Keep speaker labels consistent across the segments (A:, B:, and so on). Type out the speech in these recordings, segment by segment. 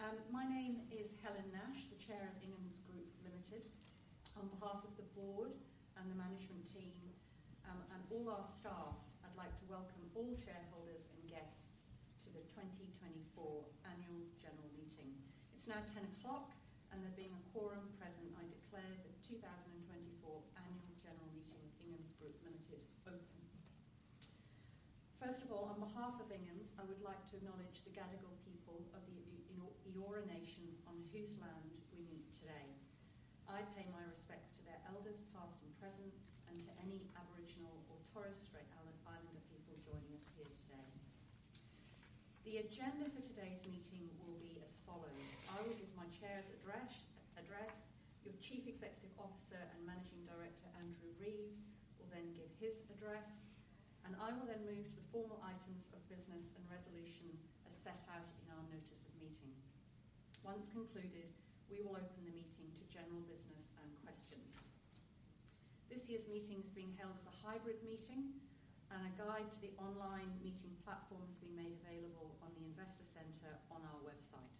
A: Good morning, everyone, and welcome on this really wet and dreary day. Well done for braving the weather. My name is Helen Nash, the Chair of Inghams Group Limited. On behalf of the board and the management team and all our staff, I'd like to welcome all shareholders and guests to the 2024 Annual General Meeting. It's now 10:00 o'clock, and there being a quorum present, I declare the 2024 Annual General Meeting of Inghams Group Limited open. First of all, on behalf of Inghams, I would like to acknowledge the Gadigal people of the Eora Nation on whose land we meet today. I pay my respects to their elders past and present, and to any Aboriginal or Torres Strait Islander people joining us here today. The agenda for today's meeting will be as follows. I will give my chair's address, your Chief Executive Officer and Managing Director Andrew Reeves will then give his address, and I will then move to the formal items of business and resolution as set out in our notice of meeting. Once concluded, we will open the meeting to general business and questions. This year's meeting is being held as a hybrid meeting, and a guide to the online meeting platform has been made available on the Investor Centre on our website.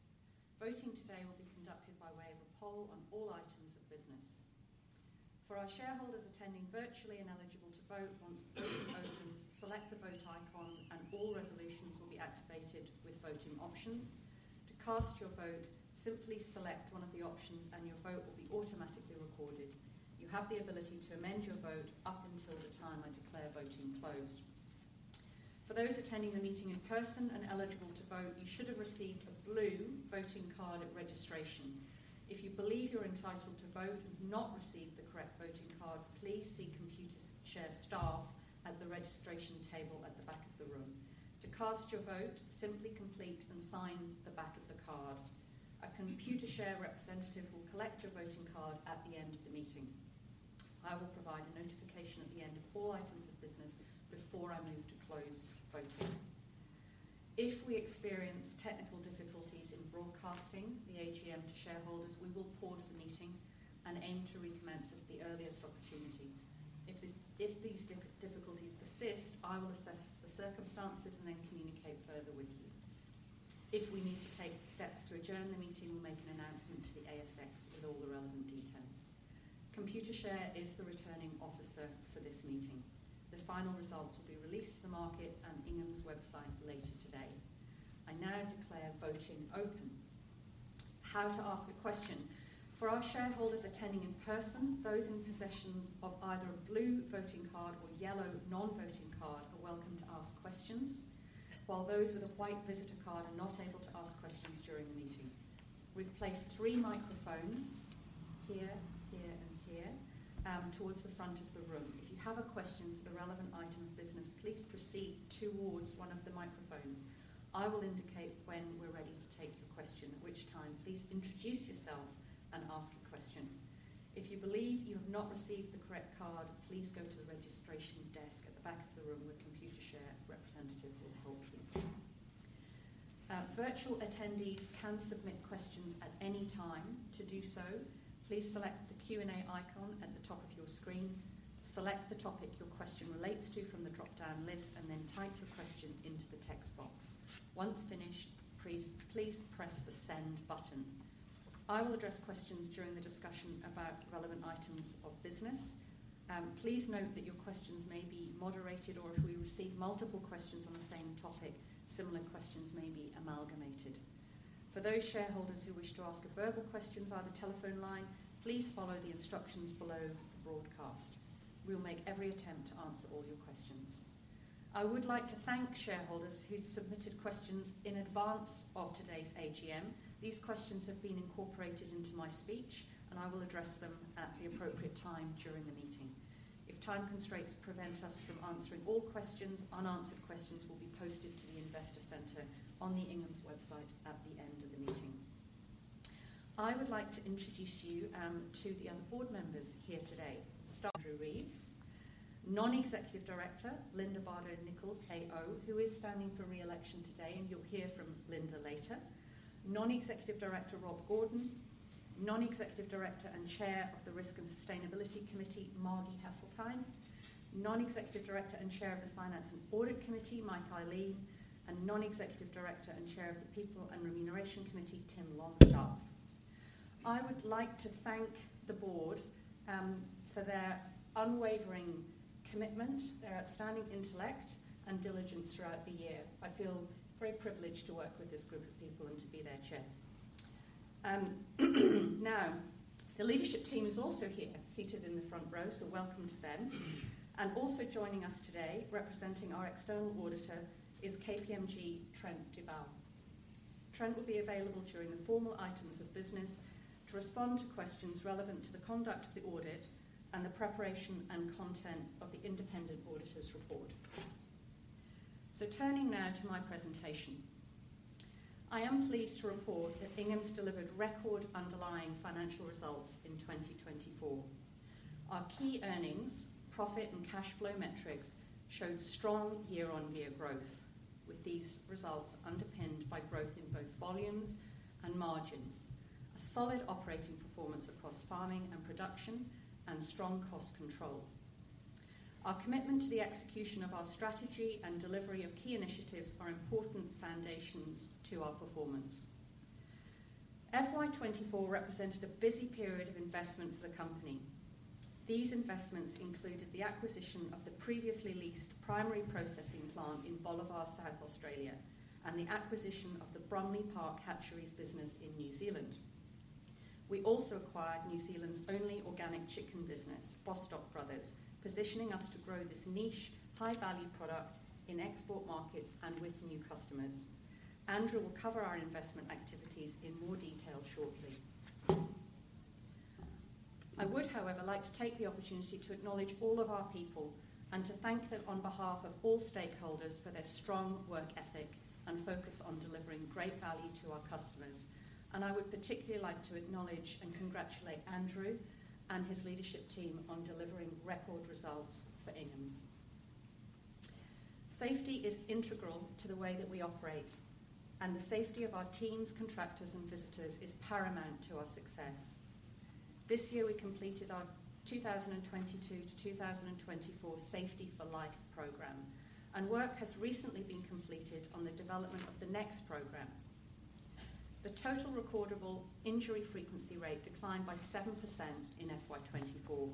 A: Voting today will be conducted by way of a poll on all items of business. For our shareholders attending virtually and eligible to vote, once the meeting opens, select the vote icon, and all resolutions will be activated with voting options. To cast your vote, simply select one of the options, and your vote will be automatically recorded. You have the ability to amend your vote up until the time I declare voting closed. For those attending the meeting in person and eligible to vote, you should have received a blue voting card at registration. If you believe you're entitled to vote and have not received the correct voting card, please see Computershare staff at the registration table at the back of the room. To cast your vote, simply complete and sign the back of the card. A Computershare representative will collect your voting card at the end of the meeting. I will provide a notification at the end of all items of business before I move to close voting. If we experience technical difficulties in broadcasting the AGM to shareholders, we will pause the meeting and aim to recommence at the earliest opportunity. If these difficulties persist, I will assess the circumstances and then communicate further with you. If we need to take steps to adjourn the meeting, we'll make an announcement to the ASX with all the relevant details. Computershare is the returning officer for this meeting. The final results will be released to the market and Inghams website later today. I now declare voting open. How to ask a question. For our shareholders attending in person, those in possession of either a blue voting card or yellow non-voting card are welcome to ask questions, while those with a white visitor card are not able to ask questions during the meeting. We've placed three microphones here, here, and here towards the front of the room. If you have a question for the relevant item of business, please proceed towards one of the microphones. I will indicate when we're ready to take your question, at which time please introduce yourself and ask a question. If you believe you have not received the correct card, please go to the registration desk at the back of the room. The Computershare representative will help you. Virtual attendees can submit questions at any time. To do so, please select the Q&A icon at the top of your screen, select the topic your question relates to from the drop-down list, and then type your question into the text box. Once finished, please press the send button. I will address questions during the discussion about relevant items of business. Please note that your questions may be moderated, or if we receive multiple questions on the same topic, similar questions may be amalgamated. For those shareholders who wish to ask a verbal question via the telephone line, please follow the instructions below the broadcast. We'll make every attempt to answer all your questions. I would like to thank shareholders who've submitted questions in advance of today's AGM. These questions have been incorporated into my speech, and I will address them at the appropriate time during the meeting. If time constraints prevent us from answering all questions, unanswered questions will be posted to the Investor Centre on the Inghams website at the end of the meeting. I would like to introduce you to the other board members here today: Andrew Reeves, Non-Executive Director Linda Bardo Nicholls, who is standing for re-election today, and you'll hear from Linda later. Non-Executive Director Rob Gordon, Non-Executive Director and Chair of the Risk and Sustainability Committee, Margie Haseltine. Non-Executive Director and Chair of the Finance and Audit Committee, Mike Ihlein, and Non-Executive Director and Chair of the People and Remuneration Committee, Tim Longstaff. I would like to thank the board for their unwavering commitment, their outstanding intellect, and diligence throughout the year. I feel very privileged to work with this group of people and to be their chair. Now, the leadership team is also here, seated in the front row, so welcome to them. And also joining us today, representing our external auditor, is KPMG Trent Duvall. Trent will be available during the formal items of business to respond to questions relevant to the conduct of the audit and the preparation and content of the independent auditor's report. So turning now to my presentation, I am pleased to report that Inghams delivered record underlying financial results in 2024. Our key earnings, profit, and cash flow metrics showed strong year-on-year growth, with these results underpinned by growth in both volumes and margins, a solid operating performance across farming and production, and strong cost control. Our commitment to the execution of our strategy and delivery of key initiatives are important foundations to our performance. FY 2024 represented a busy period of investment for the company. These investments included the acquisition of the previously leased primary processing plant in Bolivar, South Australia, and the acquisition of the Bromley Park Hatcheries business in New Zealand. We also acquired New Zealand's only organic chicken business, Bostock Brothers, positioning us to grow this niche, high-value product in export markets and with new customers. Andrew will cover our investment activities in more detail shortly. I would, however, like to take the opportunity to acknowledge all of our people and to thank them on behalf of all stakeholders for their strong work ethic and focus on delivering great value to our customers. And I would particularly like to acknowledge and congratulate Andrew and his leadership team on delivering record results for Inghams. Safety is integral to the way that we operate, and the safety of our teams, contractors, and visitors is paramount to our success. This year, we completed our 2022-2024 Safety for Life program, and work has recently been completed on the development of the next program. The total recordable injury frequency rate declined by 7% in FY 2024,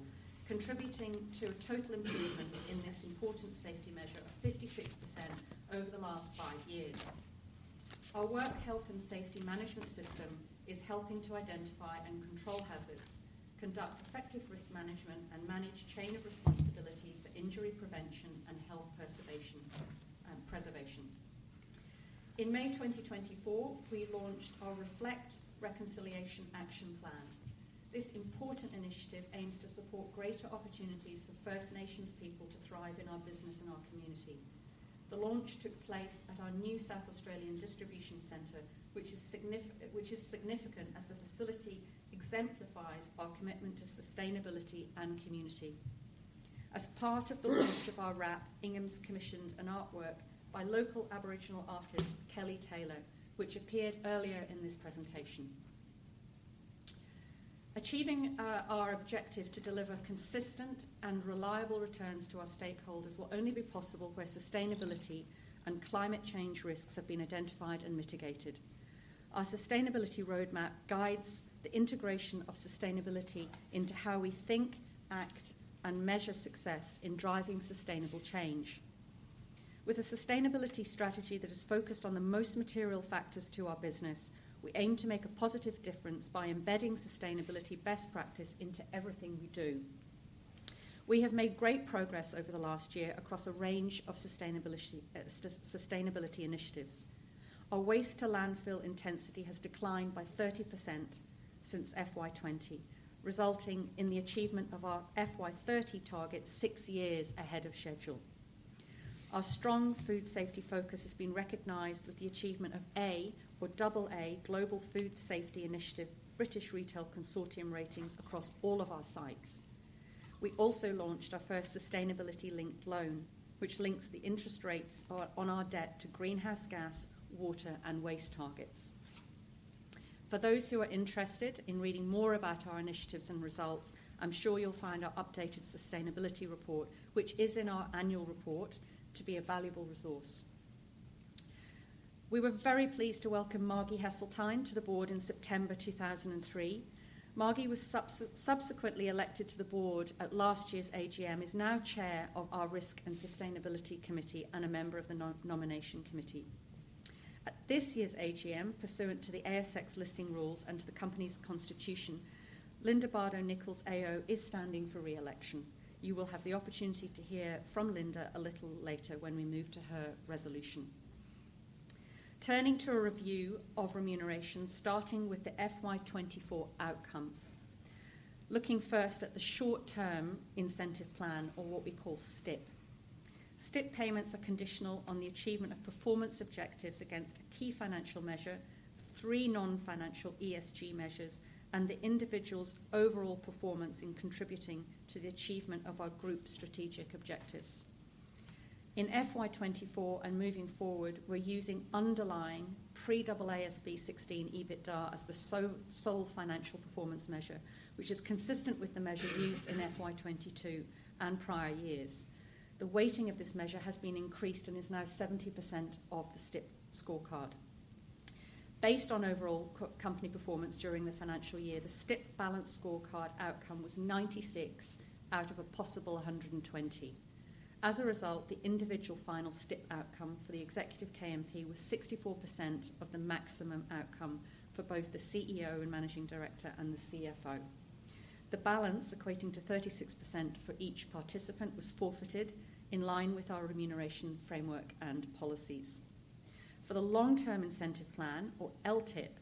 A: contributing to a total improvement in this important safety measure of 56% over the last five years. Our work health and safety management system is helping to identify and control hazards, conduct effective risk management, and manage chain of responsibility for injury prevention and health preservation. In May 2024, we launched our Reflect Reconciliation Action Plan. This important initiative aims to support greater opportunities for First Nations people to thrive in our business and our community. The launch took place at our new South Australian Distribution Centre, which is significant as the facility exemplifies our commitment to sustainability and community. As part of the launch of our RAP, Inghams commissioned an artwork by local Aboriginal artist, Kelly Taylor, which appeared earlier in this presentation. Achieving our objective to deliver consistent and reliable returns to our stakeholders will only be possible where sustainability and climate change risks have been identified and mitigated. Our sustainability roadmap guides the integration of sustainability into how we think, act, and measure success in driving sustainable change. With a sustainability strategy that is focused on the most material factors to our business, we aim to make a positive difference by embedding sustainability best practice into everything we do. We have made great progress over the last year across a range of sustainability initiatives. Our waste-to-landfill intensity has declined by 30% since FY 2020, resulting in the achievement of our FY 2030 target six years ahead of schedule. Our strong food safety focus has been recognized with the achievement of A or double A Global Food Safety Initiative British Retail Consortium ratings across all of our sites. We also launched our first sustainability-linked loan, which links the interest rates on our debt to greenhouse gas, water, and waste targets. For those who are interested in reading more about our initiatives and results, I'm sure you'll find our updated sustainability report, which is in our annual report, to be a valuable resource. We were very pleased to welcome Margie Haseltine to the board in September 2003. Margie was subsequently elected to the board at last year's AGM, is now Chair of our Risk and Sustainability Committee and a member of the Nomination Committee. At this year's AGM, pursuant to the ASX listing rules and to the company's constitution, Linda Bardo Nicholls, AO, is standing for re-election. You will have the opportunity to hear from Linda a little later when we move to her resolution. Turning to a review of remuneration, starting with the FY 2024 outcomes. Looking first at the short-term incentive plan, or what we call STIP. STIP payments are conditional on the achievement of performance objectives against a key financial measure, three non-financial ESG measures, and the individual's overall performance in contributing to the achievement of our group's strategic objectives. In FY 2024 and moving forward, we're using underlying pre-AASB 16 EBITDA as the sole financial performance measure, which is consistent with the measure used in FY 2022 and prior years. The weighting of this measure has been increased and is now 70% of the STIP scorecard. Based on overall company performance during the financial year, the STIP balanced scorecard outcome was 96 out of a possible 120. As a result, the individual final STIP outcome for the executive KMP was 64% of the maximum outcome for both the CEO and managing director and the CFO. The balance equating to 36% for each participant was forfeited in line with our remuneration framework and policies. For the long-term incentive plan, or LTIP,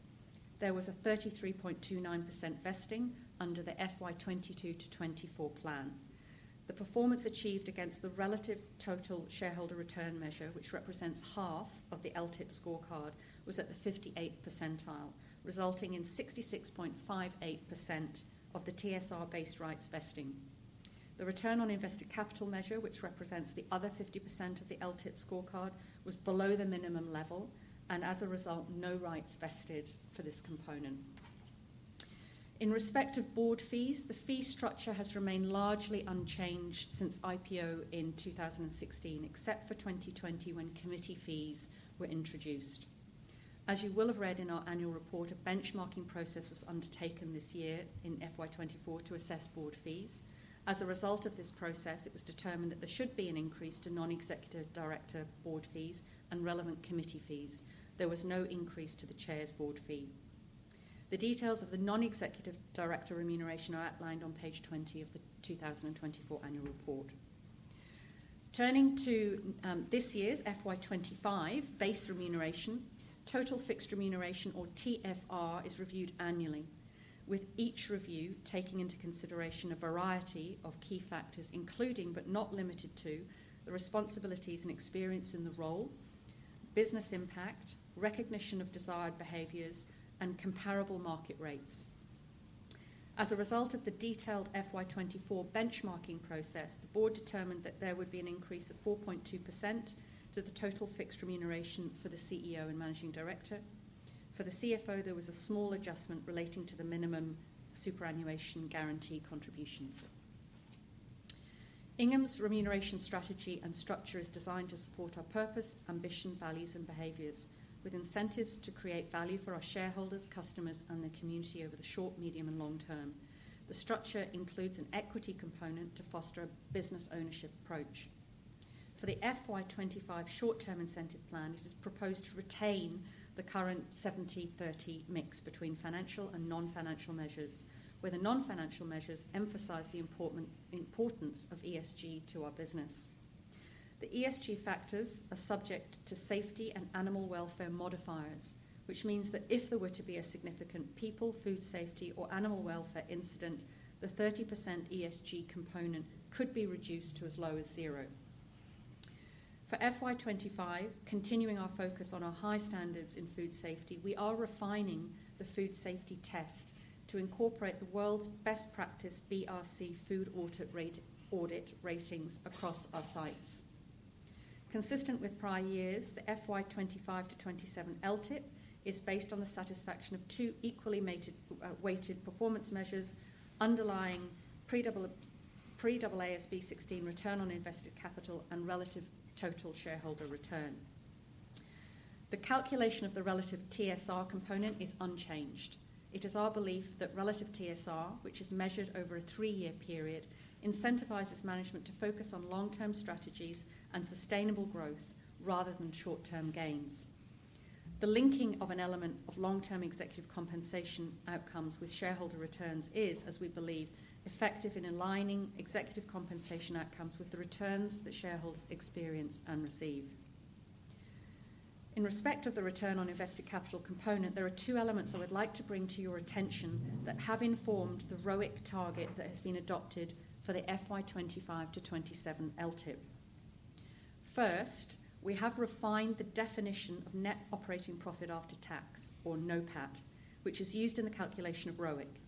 A: there was a 33.29% vesting under the FY 2022 to FY 2024 plan. The performance achieved against the relative total shareholder return measure, which represents half of the LTIP scorecard, was at the 58th percentile, resulting in 66.58% of the TSR-based rights vesting. The return on invested capital measure, which represents the other 50% of the LTIP scorecard, was below the minimum level, and as a result, no rights vested for this component. In respect of board fees, the fee structure has remained largely unchanged since IPO in 2016, except for 2020 when committee fees were introduced. As you will have read in our annual report, a benchmarking process was undertaken this year in FY 2024 to assess board fees. As a result of this process, it was determined that there should be an increase to non-executive director board fees and relevant committee fees. There was no increase to the chair's board fee. The details of the non-executive director remuneration are outlined on page 20 of the 2024 annual report. Turning to this year's FY 2025 base remuneration, total fixed remuneration, or TFR, is reviewed annually, with each review taking into consideration a variety of key factors, including but not limited to the responsibilities and experience in the role, business impact, recognition of desired behaviors, and comparable market rates. As a result of the detailed FY 2024 benchmarking process, the board determined that there would be an increase of 4.2% to the total fixed remuneration for the CEO and managing director. For the CFO, there was a small adjustment relating to the minimum superannuation guarantee contributions. Inghams' remuneration strategy and structure is designed to support our purpose, ambition, values, and behaviors, with incentives to create value for our shareholders, customers, and the community over the short, medium, and long term. The structure includes an equity component to foster a business ownership approach. For the FY 2025 short-term incentive plan, it is proposed to retain the current 70/30 mix between financial and non-financial measures, where the non-financial measures emphasize the importance of ESG to our business. The ESG factors are subject to safety and animal welfare modifiers, which means that if there were to be a significant people, food safety, or animal welfare incident, the 30% ESG component could be reduced to as low as zero. For FY 2025, continuing our focus on our high standards in food safety, we are refining the food safety test to incorporate the world's best practice BRC food audit ratings across our sites. Consistent with prior years, the FY 2025-2027 LTIP is based on the satisfaction of two equally weighted performance measures underlying pre-AASB 16 return on invested capital and relative total shareholder return. The calculation of the relative TSR component is unchanged. It is our belief that relative TSR, which is measured over a three-year period, incentivizes management to focus on long-term strategies and sustainable growth rather than short-term gains. The linking of an element of long-term executive compensation outcomes with shareholder returns is, as we believe, effective in aligning executive compensation outcomes with the returns that shareholders experience and receive. In respect of the return on invested capital component, there are two elements I would like to bring to your attention that have informed the ROIC target that has been adopted for the FY 2025-2027 LTIP. First, we have refined the definition of net operating profit after tax, or NOPAT, which is used in the calculation of ROIC.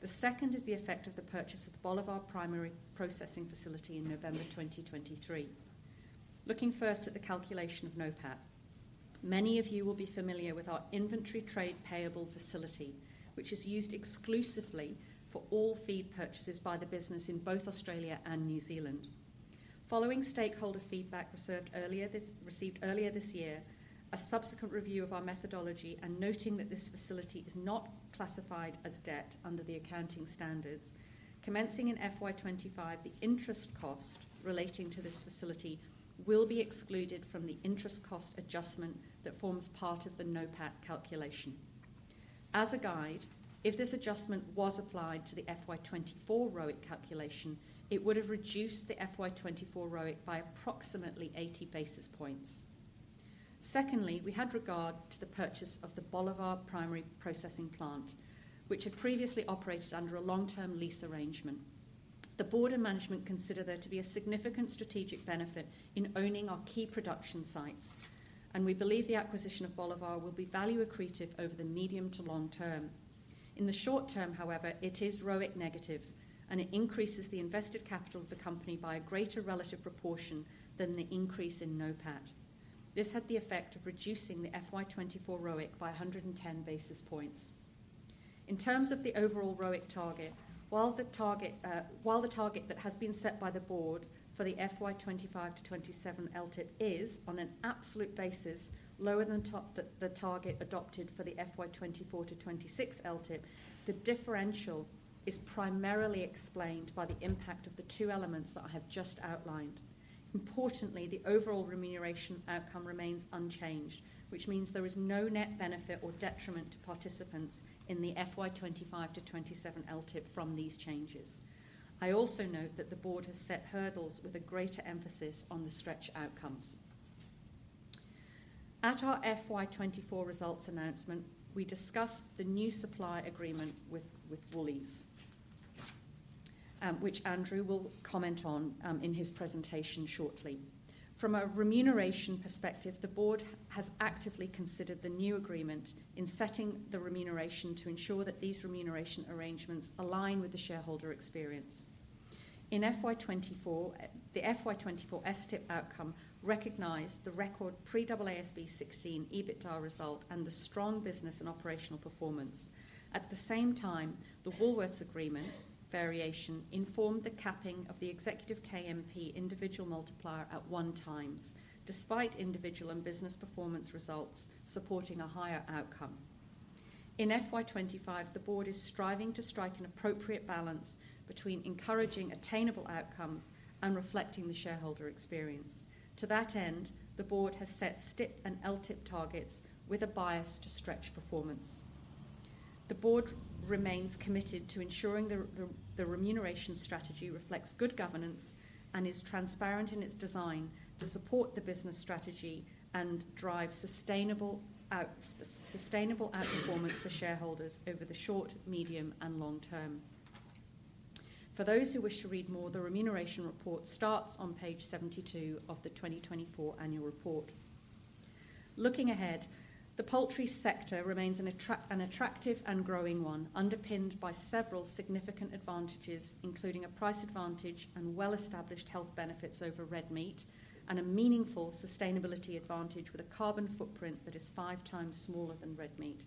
A: The second is the effect of the purchase of the Bolivar primary processing facility in November 2023. Looking first at the calculation of NOPAT, many of you will be familiar with our inventory trade payable facility, which is used exclusively for all feed purchases by the business in both Australia and New Zealand. Following stakeholder feedback received earlier this year, a subsequent review of our methodology and noting that this facility is not classified as debt under the accounting standards, commencing in FY 2025, the interest cost relating to this facility will be excluded from the interest cost adjustment that forms part of the 20 NOPAT calculation. As a guide, if this adjustment was applied to the FY 2024 ROIC calculation, it would have reduced the FY 2024 ROIC by approximately 80 basis points. Secondly, we had regard to the purchase of the Bolivar primary processing plant, which had previously operated under a long-term lease arrangement. The board and management consider there to be a significant strategic benefit in owning our key production sites, and we believe the acquisition of Bolivar will be value accretive over the medium to long term. In the short term, however, it is ROIC negative, and it increases the invested capital of the company by a greater relative proportion than the increase in NOPAT. This had the effect of reducing the FY 20`24 ROIC by 110 basis points. In terms of the overall ROIC target, while the target that has been set by the board for the FY 2025-2027 LTIP is, on an absolute basis, lower than the target adopted for the FY 2024-2026 LTIP, the differential is primarily explained by the impact of the two elements that I have just outlined. Importantly, the overall remuneration outcome remains unchanged, which means there is no net benefit or detriment to participants in the FY 2025-2027 LTIP from these changes. I also note that the board has set hurdles with a greater emphasis on the stretch outcomes. At our FY 2024 results announcement, we discussed the new supply agreement with Woolies, which Andrew will comment on in his presentation shortly. From a remuneration perspective, the board has actively considered the new agreement in setting the remuneration to ensure that these remuneration arrangements align with the shareholder experience. In FY 2024, the FY 2024 STIP outcome recognized the record pre-AASB 16 EBITDA result and the strong business and operational performance. At the same time, the Woolworths Agreement variation informed the capping of the executive KMP individual multiplier at one times, despite individual and business performance results supporting a higher outcome. In FY 2025, the board is striving to strike an appropriate balance between encouraging attainable outcomes and reflecting the shareholder experience. To that end, the board has set STIP and LTIP targets with a bias to stretch performance. The board remains committed to ensuring the remuneration strategy reflects good governance and is transparent in its design to support the business strategy and drive sustainable outperformance for shareholders over the short, medium, and long term. For those who wish to read more, the remuneration report starts on page 72 of the 2024 annual report. Looking ahead, the poultry sector remains an attractive and growing one, underpinned by several significant advantages, including a price advantage and well-established health benefits over red meat and a meaningful sustainability advantage with a carbon footprint that is five times smaller than red meat.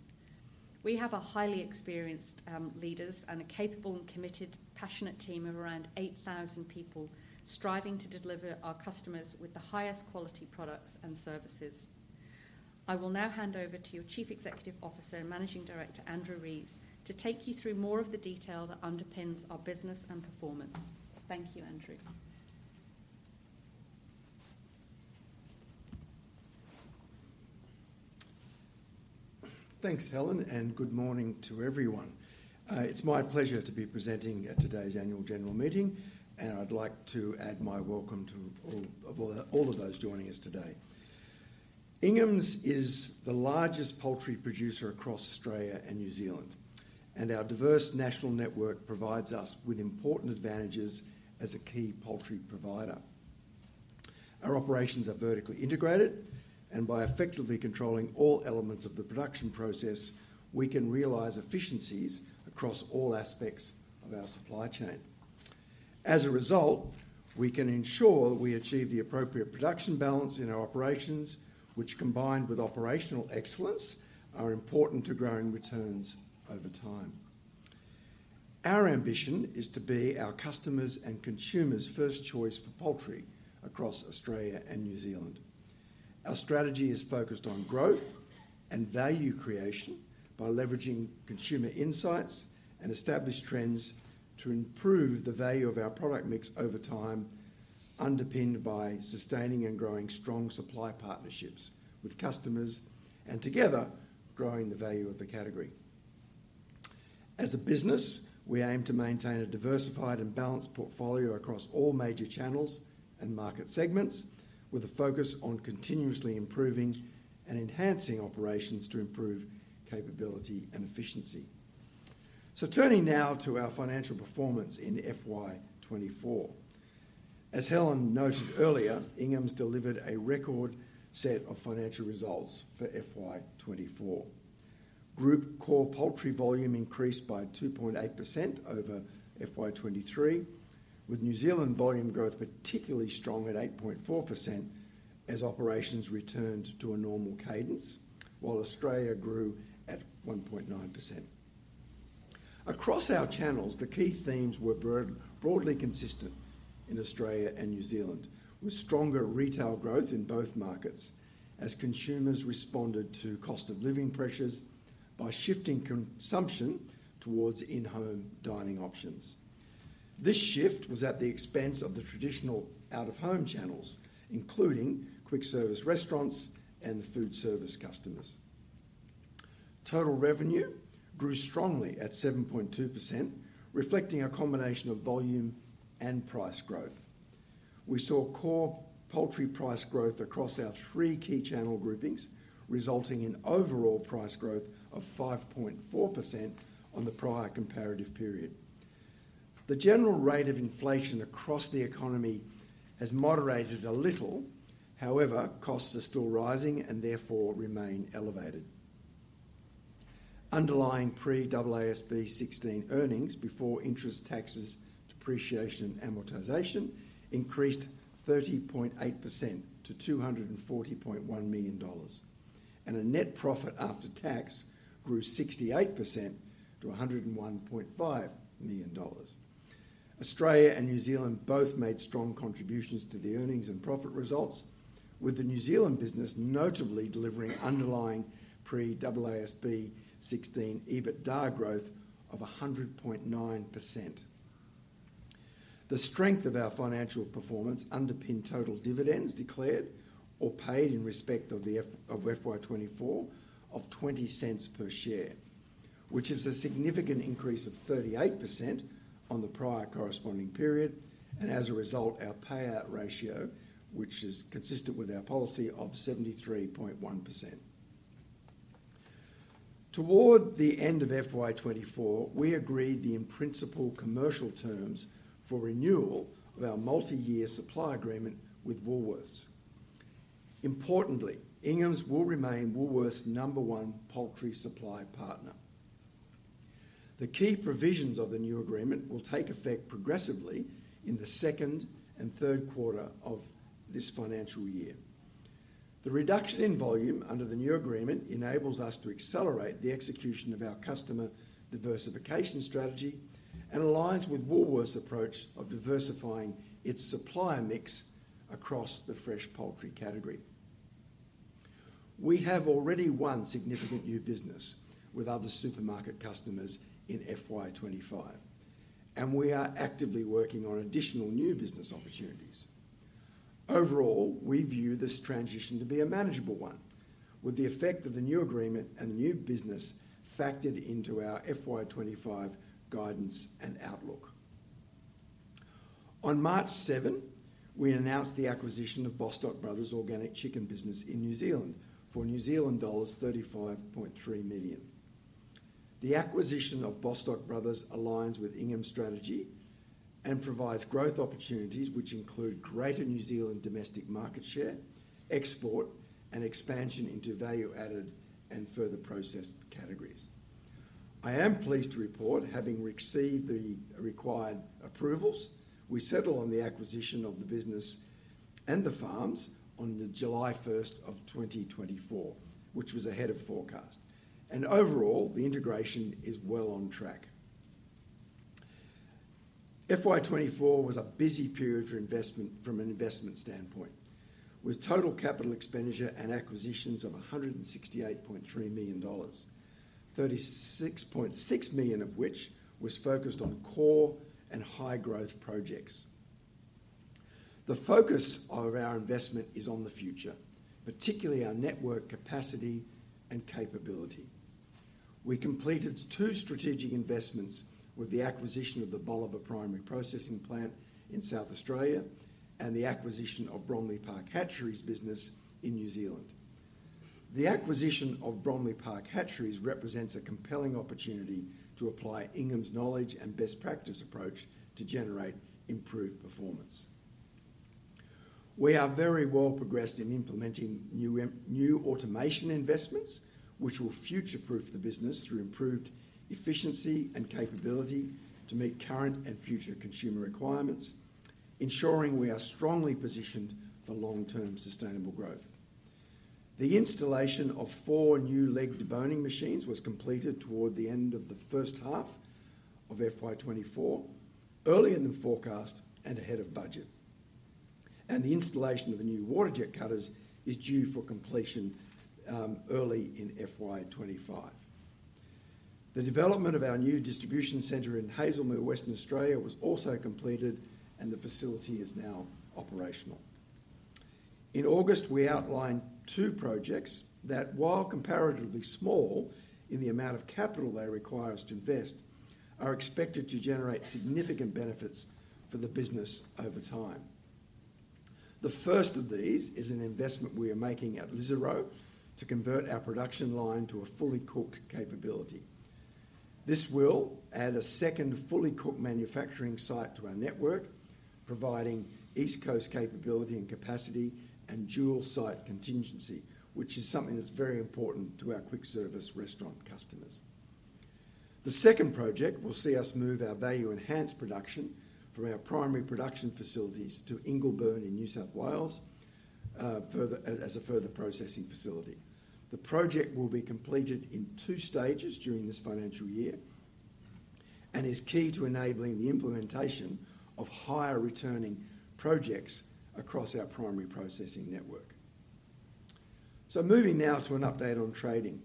A: We have highly experienced leaders and a capable and committed, passionate team of around 8,000 people striving to deliver our customers with the highest quality products and services. I will now hand over to your Chief Executive Officer and Managing Director, Andrew Reeves, to take you through more of the detail that underpins our business and performance. Thank you, Andrew.
B: Thanks, Helen, and good morning to everyone. It's my pleasure to be presenting at today's annual general meeting, and I'd like to add my welcome to all of those joining us today. Inghams is the largest poultry producer across Australia and New Zealand, and our diverse national network provides us with important advantages as a key poultry provider. Our operations are vertically integrated, and by effectively controlling all elements of the production process, we can realize efficiencies across all aspects of our supply chain. As a result, we can ensure that we achieve the appropriate production balance in our operations, which, combined with operational excellence, are important to growing returns over time. Our ambition is to be our customers' and consumers' first choice for poultry across Australia and New Zealand. Our strategy is focused on growth and value creation by leveraging consumer insights and established trends to improve the value of our product mix over time, underpinned by sustaining and growing strong supply partnerships with customers and together growing the value of the category. As a business, we aim to maintain a diversified and balanced portfolio across all major channels and market segments, with a focus on continuously improving and enhancing operations to improve capability and efficiency. So turning now to our financial performance in FY 2024. As Helen noted earlier, Inghams delivered a record set of financial results for FY 2024. Group core poultry volume increased by 2.8% over FY 2023, with New Zealand volume growth particularly strong at 8.4% as operations returned to a normal cadence, while Australia grew at 1.9%. Across our channels, the key themes were broadly consistent in Australia and New Zealand, with stronger retail growth in both markets as consumers responded to cost of living pressures by shifting consumption towards in-home dining options. This shift was at the expense of the traditional out-of-home channels, including quick service restaurants and food service customers. Total revenue grew strongly at 7.2%, reflecting a combination of volume and price growth. We saw core poultry price growth across our three key channel groupings, resulting in overall price growth of 5.4% on the prior comparative period. The general rate of inflation across the economy has moderated a little. However, costs are still rising and therefore remain elevated. Underlying pre-AASB 16 earnings before interest, taxes, depreciation, and amortization increased 30.8% to $240.1 million, and a net profit after tax grew 68% to $101.5 million. Australia and New Zealand both made strong contributions to the earnings and profit results, with the New Zealand business notably delivering underlying pre-AASB 16 EBITDA growth of 100.9%. The strength of our financial performance underpinned total dividends declared or paid in respect of FY 2024 of 0.20 per share, which is a significant increase of 38% on the prior corresponding period, and as a result, our payout ratio, which is consistent with our policy, of 73.1%. Toward the end of FY 2024, we agreed the in-principle commercial terms for renewal of our multi-year supply agreement with Woolworths. Importantly, Inghams will remain Woolworths' number one poultry supply partner. The key provisions of the new agreement will take effect progressively in the second and third quarter of this financial year. The reduction in volume under the new agreement enables us to accelerate the execution of our customer diversification strategy and aligns with Woolworths' approach of diversifying its supply mix across the fresh poultry category. We have already won significant new business with other supermarket customers in FY 2025, and we are actively working on additional new business opportunities. Overall, we view this transition to be a manageable one, with the effect of the new agreement and the new business factored into our FY 2025 guidance and outlook. On March 7, we announced the acquisition of Bostock Brothers Organic Chicken Business in New Zealand for New Zealand dollars 35.3 million. The acquisition of Bostock Brothers aligns with Inghams' strategy and provides growth opportunities, which include greater New Zealand domestic market share, export, and expansion into value-added and further processed categories. I am pleased to report having received the required approvals. We settled on the acquisition of the business and the farms on July 1 of 2024, which was ahead of forecast, and overall, the integration is well on track. FY 2024 was a busy period from an investment standpoint, with total capital expenditure and acquisitions of 168.3 million dollars, 36.6 million of which was focused on core and high-growth projects. The focus of our investment is on the future, particularly our network capacity and capability. We completed two strategic investments with the acquisition of the Bolivar primary processing plant in South Australia and the acquisition of Bromley Park Hatcheries business in New Zealand. The acquisition of Bromley Park Hatcheries represents a compelling opportunity to apply Inghams' knowledge and best practice approach to generate improved performance. We are very well progressed in implementing new automation investments, which will future-proof the business through improved efficiency and capability to meet current and future consumer requirements, ensuring we are strongly positioned for long-term sustainable growth. The installation of four new leg deboning machines was completed toward the end of the first half of FY 2024, earlier than forecast and ahead of budget. And the installation of the new water jet cutters is due for completion early in FY 2025. The development of our new distribution centre in Hazelmere, Western Australia, was also completed, and the facility is now operational. In August, we outlined two projects that, while comparatively small in the amount of capital they require us to invest, are expected to generate significant benefits for the business over time. The first of these is an investment we are making at Lisarow to convert our production line to a fully cooked capability. This will add a second fully cooked manufacturing site to our network, providing east coast capability and capacity and dual site contingency, which is something that's very important to our quick service restaurant customers. The second project will see us move our value-enhanced production from our primary production facilities to Ingleburn in New South Wales as a further processing facility. The project will be completed in two stages during this financial year and is key to enabling the implementation of higher returning projects across our primary processing network. So moving now to an update on trading.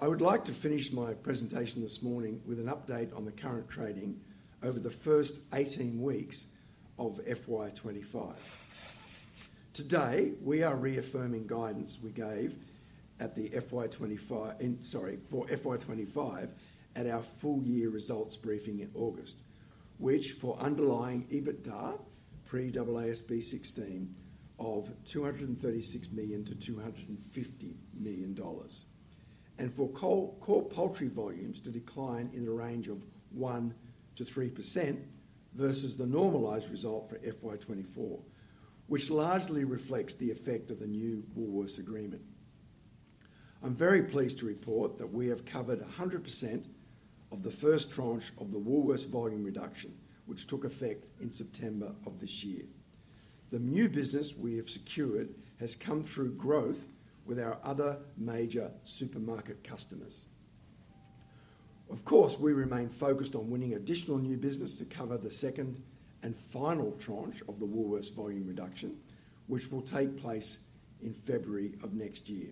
B: I would like to finish my presentation this morning with an update on the current trading over the first 18 weeks of FY 2025. Today, we are reaffirming guidance we gave at the FY 2025 at our full year results briefing in August, which, for underlying EBITDA pre-AASB 16 of $236 million-$250 million and for core poultry volumes to decline in the range of 1%-3% versus the normalized result for FY 2024, which largely reflects the effect of the new Woolworths Agreement. I'm very pleased to report that we have covered 100% of the first tranche of the Woolworths volume reduction, which took effect in September of this year. The new business we have secured has come through growth with our other major supermarket customers. Of course, we remain focused on winning additional new business to cover the second and final tranche of the Woolworths volume reduction, which will take place in February of next year.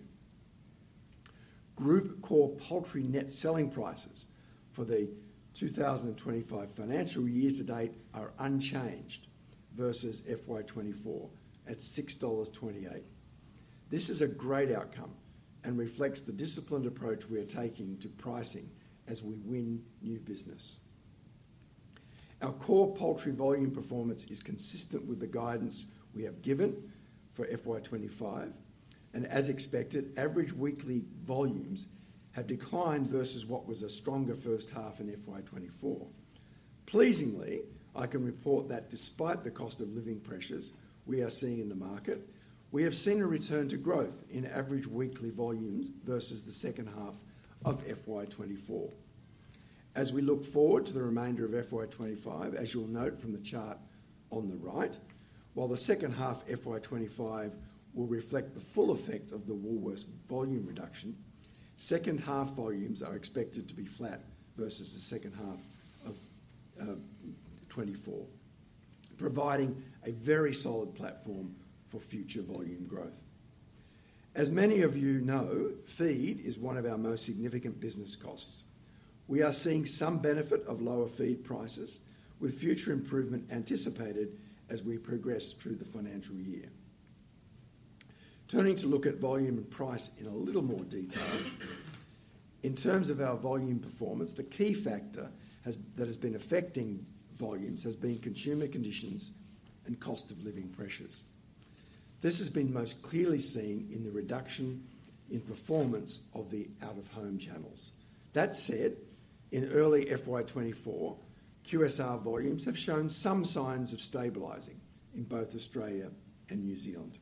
B: Group core poultry net selling prices for the 2025 financial year to date are unchanged versus FY 2024 at 6.28 dollars. This is a great outcome and reflects the disciplined approach we are taking to pricing as we win new business. Our core poultry volume performance is consistent with the guidance we have given for FY 2025, and as expected, average weekly volumes have declined versus what was a stronger first half in FY 2024. Pleasingly, I can report that despite the cost of living pressures we are seeing in the market, we have seen a return to growth in average weekly volumes versus the second half of FY 2024. As we look forward to the remainder of FY 2025, as you'll note from the chart on the right, while the second half FY 2025 will reflect the full effect of the Woolworths volume reduction, second half volumes are expected to be flat versus the second half of 2024, providing a very solid platform for future volume growth. As many of you know, feed is one of our most significant business costs. We are seeing some benefit of lower feed prices, with future improvement anticipated as we progress through the financial year. Turning to look at volume and price in a little more detail, in terms of our volume performance, the key factor that has been affecting volumes has been consumer conditions and cost of living pressures. This has been most clearly seen in the reduction in performance of the out-of-home channels. That said, in early FY 2024, QSR volumes have shown some signs of stabilizing in both Australia and New Zealand.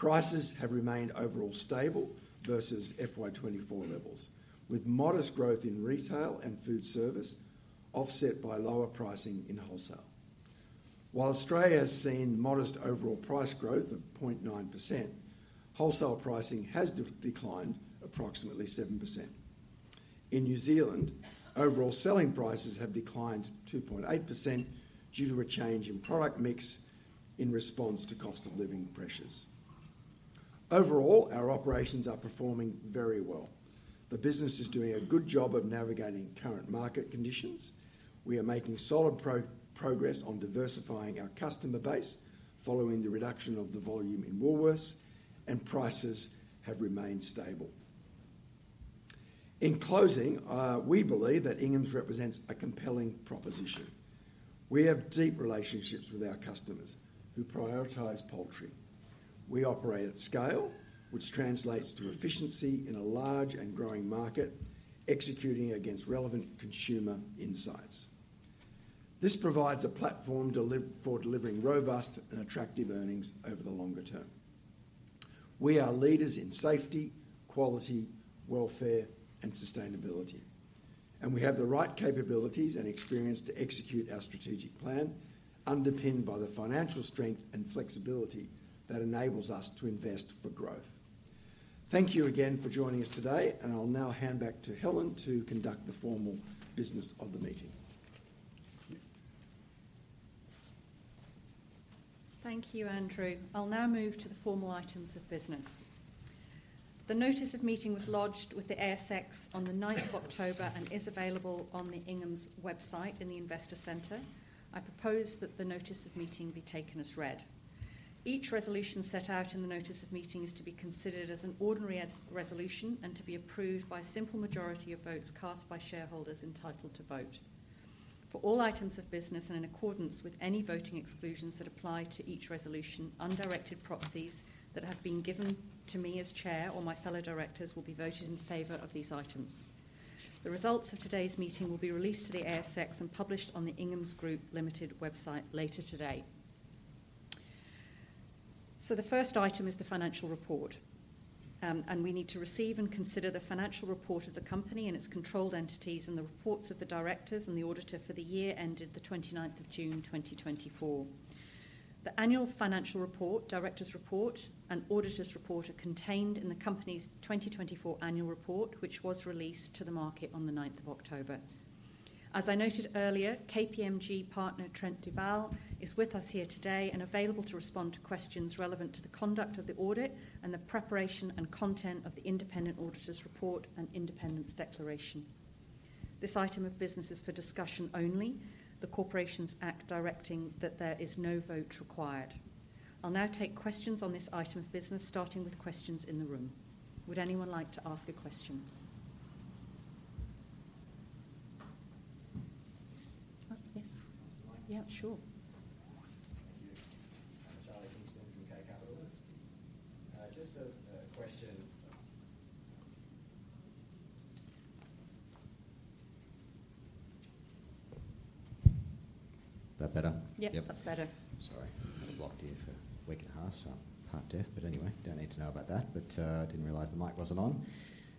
B: Prices have remained overall stable versus FY 2024 levels, with modest growth in retail and food service offset by lower pricing in wholesale. While Australia has seen modest overall price growth of 0.9%, wholesale pricing has declined approximately 7%. In New Zealand, overall selling prices have declined 2.8% due to a change in product mix in response to cost of living pressures. Overall, our operations are performing very well. The business is doing a good job of navigating current market conditions. We are making solid progress on diversifying our customer base following the reduction of the volume in Woolworths, and prices have remained stable. In closing, we believe that Inghams represents a compelling proposition. We have deep relationships with our customers who prioritize poultry. We operate at scale, which translates to efficiency in a large and growing market, executing against relevant consumer insights. This provides a platform for delivering robust and attractive earnings over the longer term. We are leaders in safety, quality, welfare, and sustainability, and we have the right capabilities and experience to execute our strategic plan, underpinned by the financial strength and flexibility that enables us to invest for growth. Thank you again for joining us today, and I'll now hand back to Helen to conduct the formal business of the meeting.
A: Thank you, Andrew. I'll now move to the formal items of business. The notice of meeting was lodged with the ASX on the 9th of October and is available on the Inghams website in the Investor Centre. I propose that the notice of meeting be taken as read. Each resolution set out in the notice of meeting is to be considered as an ordinary resolution and to be approved by a simple majority of votes cast by shareholders entitled to vote. For all items of business and in accordance with any voting exclusions that apply to each resolution, undirected proxies that have been given to me as chair or my fellow directors will be voted in favour of these items. The results of today's meeting will be released to the ASX and published on the Inghams Group Limited website later today. So the first item is the financial report, and we need to receive and consider the financial report of the company and its controlled entities and the reports of the directors and the auditor for the year ended the 29th of June 2024. The annual financial report, directors' report, and auditor's report are contained in the company's 2024 annual report, which was released to the market on the 9th of October. As I noted earlier, KPMG partner Trent Duvall is with us here today and available to respond to questions relevant to the conduct of the audit and the preparation and content of the independent auditor's report and independence declaration. This item of business is for discussion only. The Corporations Act directing that there is no vote required. I'll now take questions on this item of business, starting with questions in the room. Would anyone like to ask a question? Yes.
C: Yes.
B: Yeah, sure.
C: Thank you. I'm Charlie Kingston from K Capital. Just a question.
D: Is that better?
A: Yep, that's better.
C: Sorry, I've had a blocked ear for a week and a half, so I'm part deaf, but anyway, don't need to know about that, but didn't realise the mic wasn't on.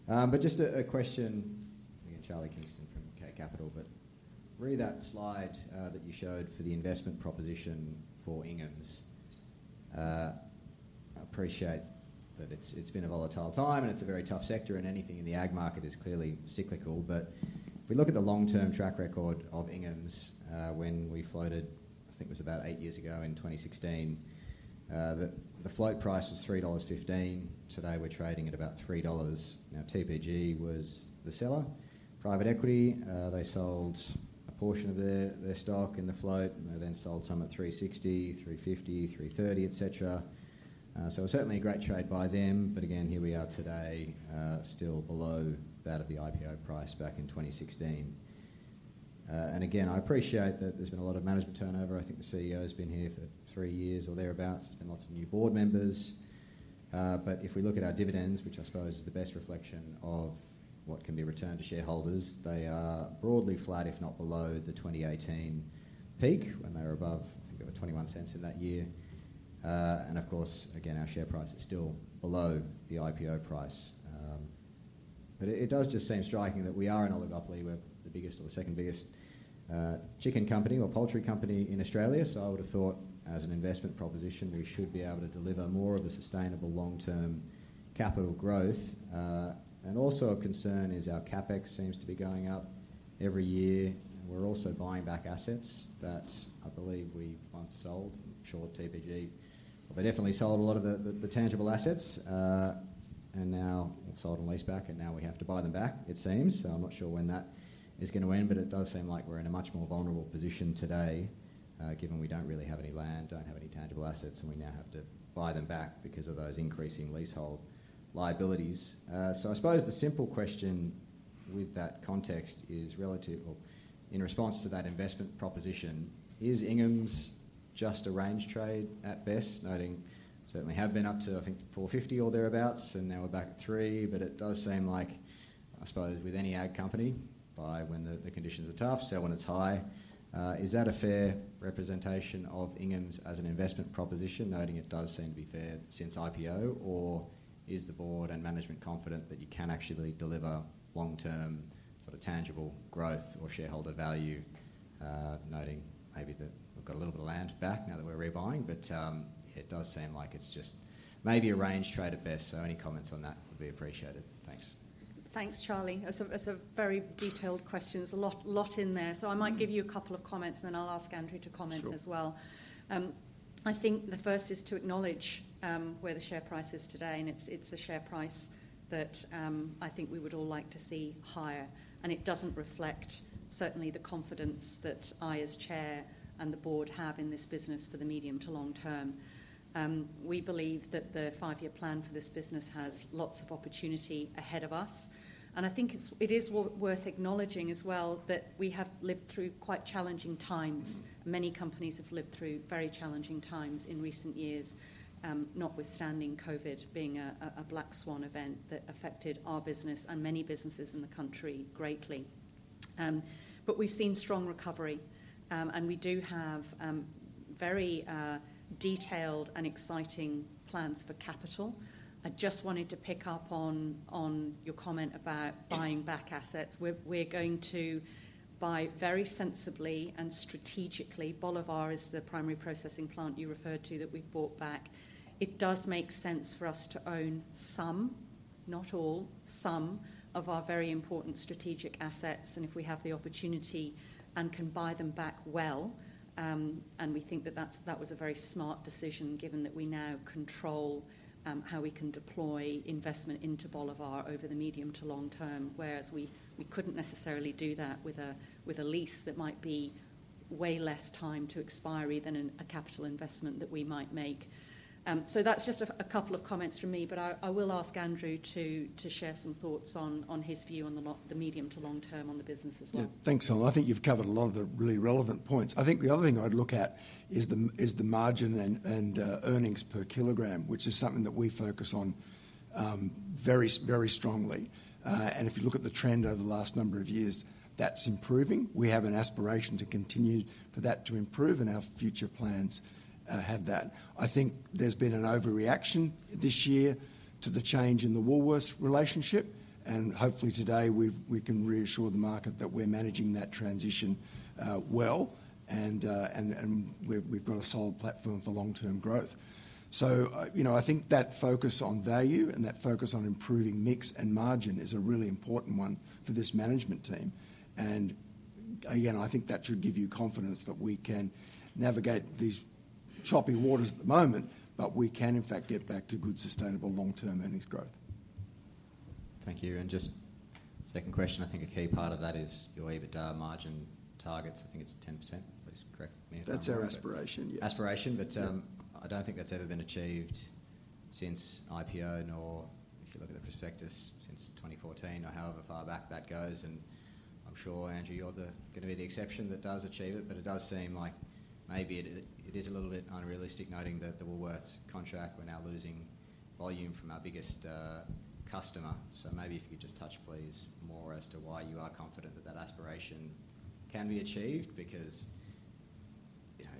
C: But just a question. Again, Charlie Kingston from K Capital, but read that slide that you showed for the investment proposition for Inghams. I appreciate that it's been a volatile time and it's a very tough sector, and anything in the ag market is clearly cyclical, but if we look at the long-term track record of Inghams when we floated, I think it was about eight years ago in 2016, the float price was 3.15 dollars. Today, we're trading at about 3 dollars. Now, TPG was the seller. Private equity, they sold a portion of their stock in the float, and they then sold some at 3.60, 3.50, 3.30, etc. So it was certainly a great trade by them, but again, here we are today, still below that of the IPO price back in 2016. And again, I appreciate that there's been a lot of management turnover. I think the CEO has been here for three years or thereabouts. There's been lots of new board members. But if we look at our dividends, which I suppose is the best reflection of what can be returned to shareholders, they are broadly flat, if not below the 2018 peak, when they were above. I think they were 0.21 in that year. And of course, again, our share price is still below the IPO price. But it does just seem striking that we are in oligopoly. We're the biggest or the second biggest chicken company or poultry company in Australia, so I would have thought as an investment proposition, we should be able to deliver more of a sustainable long-term capital growth, and also a concern is our CapEx seems to be going up every year. We're also buying back assets that I believe we once sold short TPG, well, they definitely sold a lot of the tangible assets, and now we've sold and leased back, and now we have to buy them back, it seems, so I'm not sure when that is going to end, but it does seem like we're in a much more vulnerable position today, given we don't really have any land, don't have any tangible assets, and we now have to buy them back because of those increasing leasehold liabilities. So I suppose the simple question with that context is relative, or in response to that investment proposition, is Inghams just a range trade at best, noting certainly have been up to, I think, 4.50 or thereabouts, and now we're back at 3.00, but it does seem like, I suppose, with any ag company, buy when the conditions are tough, sell when it's high. Is that a fair representation of Inghams as an investment proposition, noting it does seem to be fair since IPO, or is the board and management confident that you can actually deliver long-term sort of tangible growth or shareholder value, noting maybe that we've got a little bit of land back now that we're rebuying? But it does seem like it's just maybe a range trade at best, so any comments on that would be appreciated. Thanks.
A: Thanks, Charlie. It's a very detailed question. There's a lot in there, so I might give you a couple of comments, and then I'll ask Andrew to comment as well. I think the first is to acknowledge where the share price is today, and it's a share price that I think we would all like to see higher, and it doesn't reflect certainly the confidence that I as Chair and the board have in this business for the medium to long term. We believe that the five-year plan for this business has lots of opportunity ahead of us, and I think it is worth acknowledging as well that we have lived through quite challenging times. Many companies have lived through very challenging times in recent years, notwithstanding COVID being a black swan event that affected our business and many businesses in the country greatly. But we've seen strong recovery, and we do have very detailed and exciting plans for capital. I just wanted to pick up on your comment about buying back assets. We're going to buy very sensibly and strategically. Bolivar is the primary processing plant you referred to that we've bought back. It does make sense for us to own some, not all, some of our very important strategic assets, and if we have the opportunity and can buy them back well, and we think that that was a very smart decision given that we now control how we can deploy investment into Bolivar over the medium to long term, whereas we couldn't necessarily do that with a lease that might be way less time to expiry than a capital investment that we might make. So that's just a couple of comments from me, but I will ask Andrew to share some thoughts on his view on the medium to long term on the business as well.
B: Yeah, thanks, Helen. I think you've covered a lot of the really relevant points. I think the other thing I'd look at is the margin and earnings per kilogram, which is something that we focus on very, very strongly, and if you look at the trend over the last number of years, that's improving. We have an aspiration to continue for that to improve, and our future plans have that. I think there's been an overreaction this year to the change in the Woolworths relationship, and hopefully today we can reassure the market that we're managing that transition well, and we've got a solid platform for long-term growth, so I think that focus on value and that focus on improving mix and margin is a really important one for this management team. Again, I think that should give you confidence that we can navigate these choppy waters at the moment, but we can in fact get back to good sustainable long-term earnings growth.
C: Thank you. And just second question, I think a key part of that is your EBITDA margin targets. I think it's 10%, please correct me if I'm wrong.
B: That's our aspiration, yeah.
C: Aspiration, but I don't think that's ever been achieved since IPO, nor if you look at the prospectus since 2014, or however far back that goes. And I'm sure, Andrew, you're going to be the exception that does achieve it, but it does seem like maybe it is a little bit unrealistic, noting that the Woolworths contract, we're now losing volume from our biggest customer. So maybe if you could just touch, please, more as to why you are confident that that aspiration can be achieved, because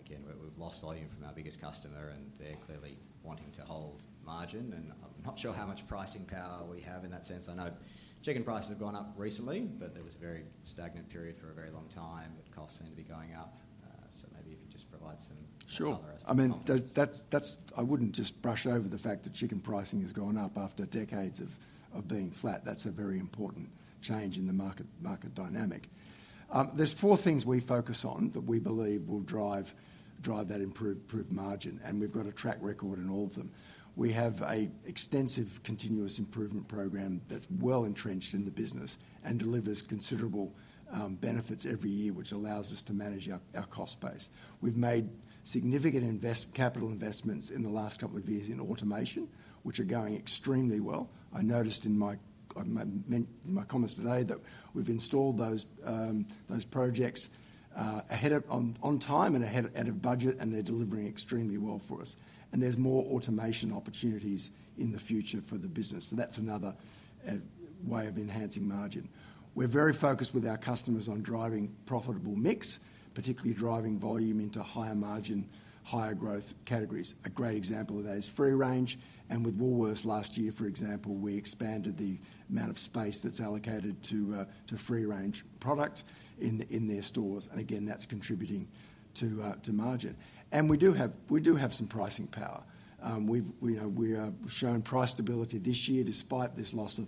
C: again, we've lost volume from our biggest customer, and they're clearly wanting to hold margin, and I'm not sure how much pricing power we have in that sense. I know chicken prices have gone up recently, but there was a very stagnant period for a very long time. Costs seem to be going up, so maybe if you could just provide some other aspiration.
B: Sure. I mean, I wouldn't just brush over the fact that chicken pricing has gone up after decades of being flat. That's a very important change in the market dynamic. There's four things we focus on that we believe will drive that improved margin, and we've got a track record in all of them. We have an extensive continuous improvement program that's well entrenched in the business and delivers considerable benefits every year, which allows us to manage our cost base. We've made significant capital investments in the last couple of years in automation, which are going extremely well. I noticed in my comments today that we've installed those projects on time and ahead of budget, and they're delivering extremely well for us, and there's more automation opportunities in the future for the business, so that's another way of enhancing margin. We're very focused with our customers on driving profitable mix, particularly driving volume into higher margin, higher growth categories. A great example of that is free range, and with Woolworths last year, for example, we expanded the amount of space that's allocated to free range product in their stores, and again, that's contributing to margin. And we do have some pricing power. We have shown price stability this year despite this loss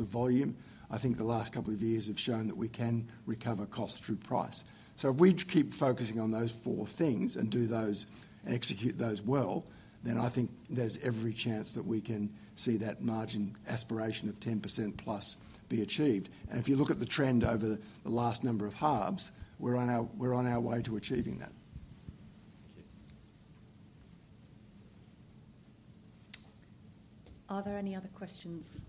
B: of volume. I think the last couple of years have shown that we can recover costs through price. So if we keep focusing on those four things and do those and execute those well, then I think there's every chance that we can see that margin aspiration of 10%+ be achieved. And if you look at the trend over the last number of halves, we're on our way to achieving that.
A: Are there any other questions?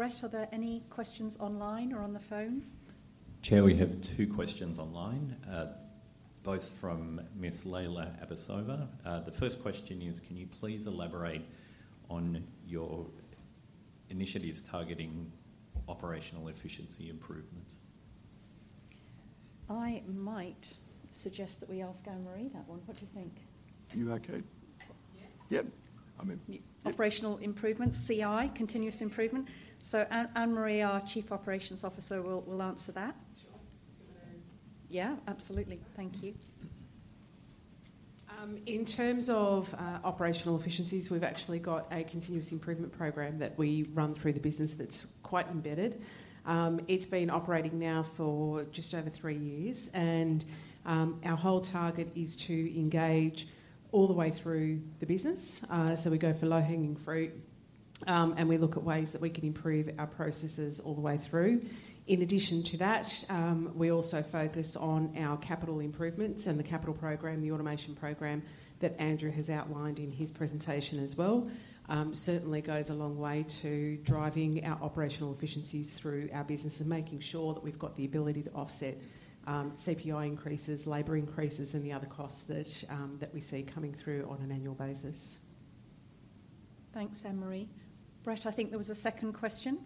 A: Brett, are there any questions online or on the phone?
D: Chair, we have two questions online, both from Ms. Leyla Abbasova. The first question is: Can you please elaborate on your initiatives targeting operational efficiency improvements?
A: I might suggest that we ask Anne-Marie that one. What do you think?
B: You okay?
E: Yeah.
B: Yeah. I mean.
A: Operational improvements, CI, continuous improvement. So Anne-Marie, our Chief Operations Officer, will answer that.
E: Sure. Give it a...
A: Yeah, absolutely. Thank you.
E: In terms of operational efficiencies, we've actually got a continuous improvement program that we run through the business that's quite embedded. It's been operating now for just over three years, and our whole target is to engage all the way through the business. So we go for low-hanging fruit, and we look at ways that we can improve our processes all the way through. In addition to that, we also focus on our capital improvements and the capital program, the automation program that Andrew has outlined in his presentation as well, certainly goes a long way to driving our operational efficiencies through our business and making sure that we've got the ability to offset CPI increases, labor increases, and the other costs that we see coming through on an annual basis.
A: Thanks, Anne-Marie. Brett, I think there was a second question.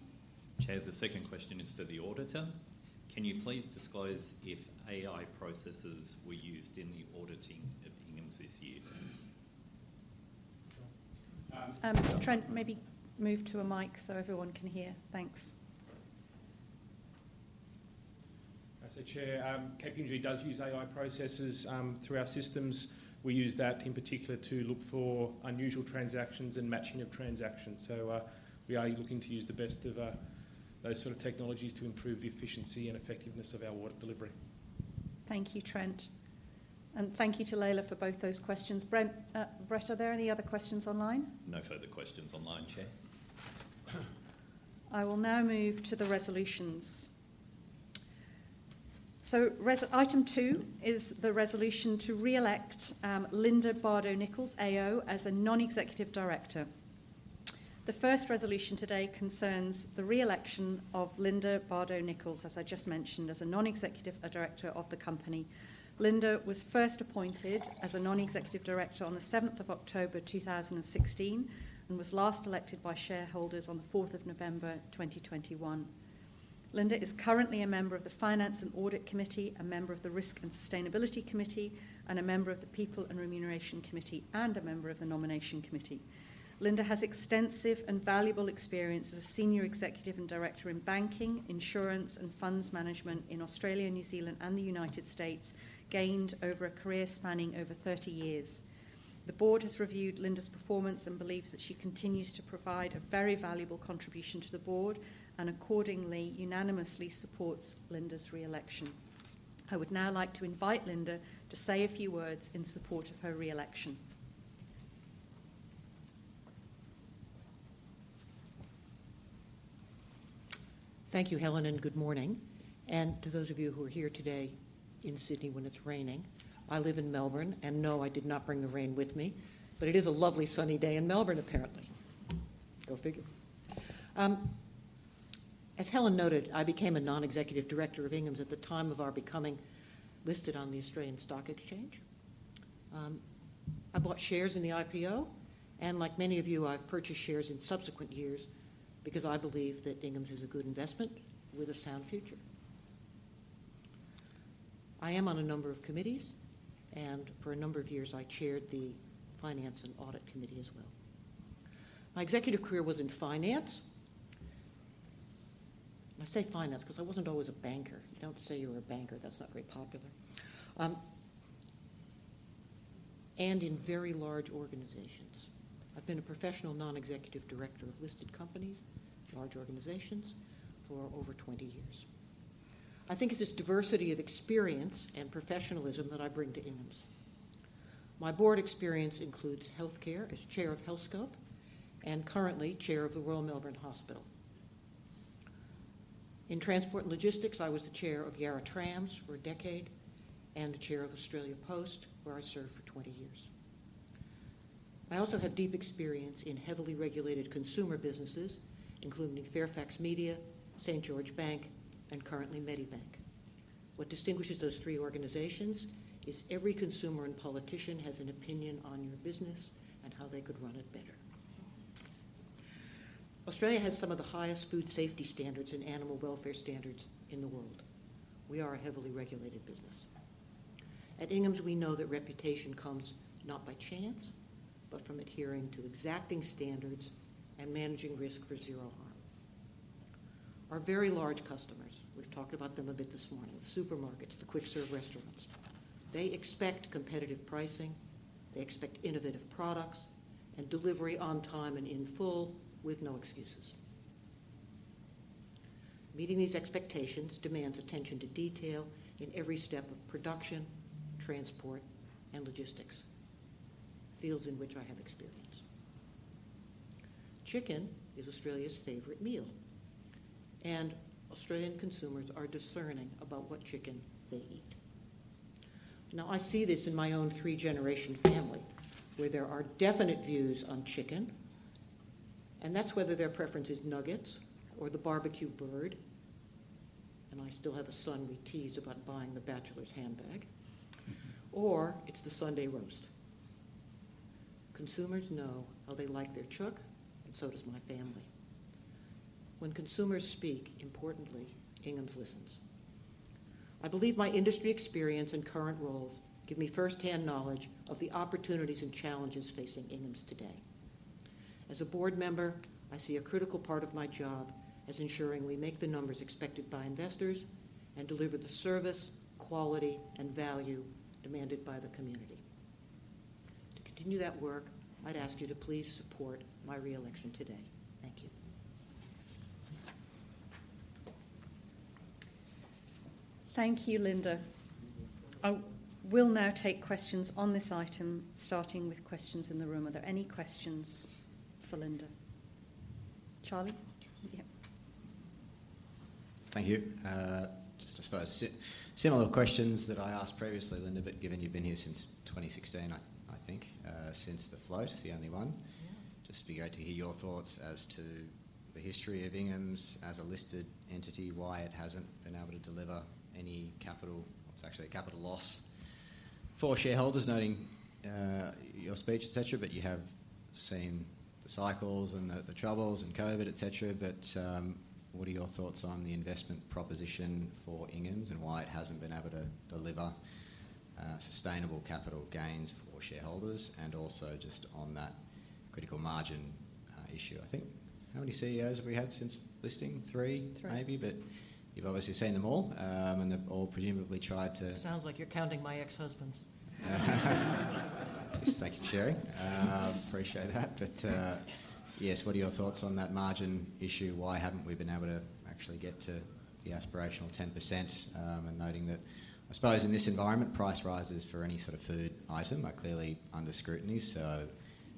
D: Chair, the second question is for the auditor. Can you please disclose if AI processes were used in the auditing of Inghams this year?
A: Trent, maybe move to a mic so everyone can hear. Thanks.
F: I say, Chair, KPMG does use AI processes through our systems. We use that in particular to look for unusual transactions and matching of transactions. So we are looking to use the best of those sort of technologies to improve the efficiency and effectiveness of our audit delivery.
A: Thank you, Trent. And thank you to Leila for both those questions. Brett, are there any other questions online?
D: No further questions online, Chair.
A: I will now move to the resolutions, so item two is the resolution to reelect Linda Bardo Nicholls, AO, as a non-executive director. The first resolution today concerns the reelection of Linda Bardo Nicholls, as I just mentioned, as a non-executive director of the company. Linda was first appointed as a non-executive director on the 7th of October 2016 and was last elected by shareholders on the 4th of November 2021. Linda is currently a member of the Finance and Audit Committee, a member of the Risk and Sustainability Committee, and a member of the People and Remuneration Committee, and a member of the Nomination Committee. Linda has extensive and valuable experience as a senior executive and director in banking, insurance, and funds management in Australia, New Zealand, and the United States, gained over a career spanning over 30 years. The board has reviewed Linda's performance and believes that she continues to provide a very valuable contribution to the board and accordingly unanimously supports Linda's reelection. I would now like to invite Linda to say a few words in support of her reelection.
G: Thank you, Helen, and good morning. And to those of you who are here today in Sydney when it's raining, I live in Melbourne and no, I did not bring the rain with me, but it is a lovely sunny day in Melbourne apparently. Go figure. As Helen noted, I became a non-executive director of Inghams at the time of our becoming listed on the Australian Securities Exchange. I bought shares in the IPO, and like many of you, I've purchased shares in subsequent years because I believe that Inghams is a good investment with a sound future. I am on a number of committees, and for a number of years, I chaired the Finance and Audit Committee as well. My executive career was in finance. I say finance because I wasn't always a banker. You don't say you're a banker. That's not very popular. And in very large organizations. I've been a professional non-executive director of listed companies, large organizations, for over 20 years. I think it's this diversity of experience and professionalism that I bring to Inghams. My board experience includes healthcare as Chair of Healthscope and currently Chair of the Royal Melbourne Hospital. In transport and logistics, I was the Chair of Yarra Trams for a decade and the Chair of Australia Post, where I served for 20 years. I also have deep experience in heavily regulated consumer businesses, including Fairfax Media, St. George Bank, and currently Medibank. What distinguishes those three organizations is every consumer and politician has an opinion on your business and how they could run it better. Australia has some of the highest food safety standards and animal welfare standards in the world. We are a heavily regulated business. At Inghams, we know that reputation comes not by chance, but from adhering to exacting standards and managing risk for zero harm. Our very large customers, we've talked about them a bit this morning, the supermarkets, the quick-serve restaurants, they expect competitive pricing, they expect innovative products, and delivery on time and in full with no excuses. Meeting these expectations demands attention to detail in every step of production, transport, and logistics, fields in which I have experience. Chicken is Australia's favorite meal, and Australian consumers are discerning about what chicken they eat. Now, I see this in my own three-generation family, where there are definite views on chicken, and that's whether their preference is nuggets or the barbecue bird, and I still have a son who teased about buying the bachelor's handbag, or it's the Sunday roast. Consumers know how they like their chicken, and so does my family. When consumers speak, importantly, Inghams listens. I believe my industry experience and current roles give me firsthand knowledge of the opportunities and challenges facing Inghams today. As a board member, I see a critical part of my job as ensuring we make the numbers expected by investors and deliver the service, quality, and value demanded by the community. To continue that work, I'd ask you to please support my reelection today. Thank you.
B: Thank you, Linda. We'll now take questions on this item, starting with questions in the room. Are there any questions for Linda? Charlie?
G: Yeah.
C: Thank you. Just a similar question that I asked previously, Linda, but given you've been here since 2016, I think, since the float, the only one, just to be able to hear your thoughts as to the history of Inghams as a listed entity, why it hasn't been able to deliver any capital, or it's actually a capital loss for shareholders, noting your speech, etc., but you have seen the cycles and the troubles and COVID, etc. But what are your thoughts on the investment proposition for Inghams and why it hasn't been able to deliver sustainable capital gains for shareholders, and also just on that critical margin issue? I think how many CEOs have we had since listing? Three, maybe, but you've obviously seen them all, and they've all presumably tried to.
G: Sounds like you're counting my ex-husbands.
C: Thank you for sharing. Appreciate that. But yes, what are your thoughts on that margin issue? Why haven't we been able to actually get to the aspirational 10%, and noting that I suppose in this environment, price rises for any sort of food item are clearly under scrutiny, so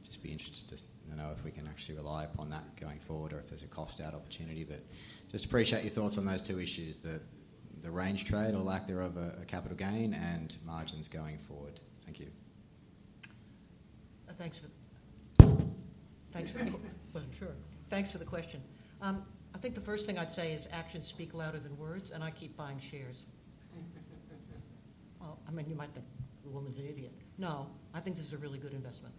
C: just be interested to know if we can actually rely upon that going forward or if there's a cost-out opportunity. But just appreciate your thoughts on those two issues, the range trade or lack thereof of a capital gain and margins going forward. Thank you.
G: Thanks for the question. I think the first thing I'd say is actions speak louder than words, and I keep buying shares. Well, I mean, you might think the woman's an idiot. No, I think this is a really good investment.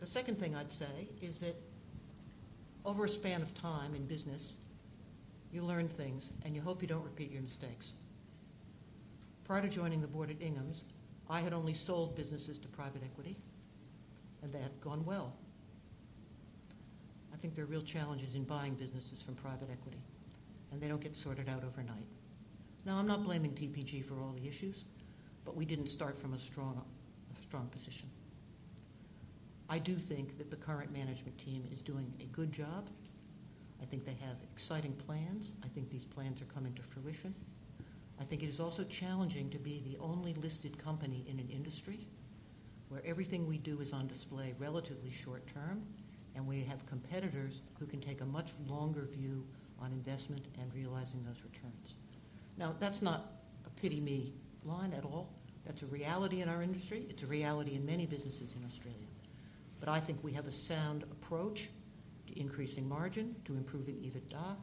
G: The second thing I'd say is that over a span of time in business, you learn things, and you hope you don't repeat your mistakes. Prior to joining the board at Inghams, I had only sold businesses to private equity, and they had gone well. I think there are real challenges in buying businesses from private equity, and they don't get sorted out overnight. Now, I'm not blaming TPG for all the issues, but we didn't start from a strong position. I do think that the current management team is doing a good job. I think they have exciting plans. I think these plans are coming to fruition. I think it is also challenging to be the only listed company in an industry where everything we do is on display relatively short term, and we have competitors who can take a much longer view on investment and realizing those returns. Now, that's not a pity me line at all. That's a reality in our industry. It's a reality in many businesses in Australia. But I think we have a sound approach to increasing margin, to improving EBITDA,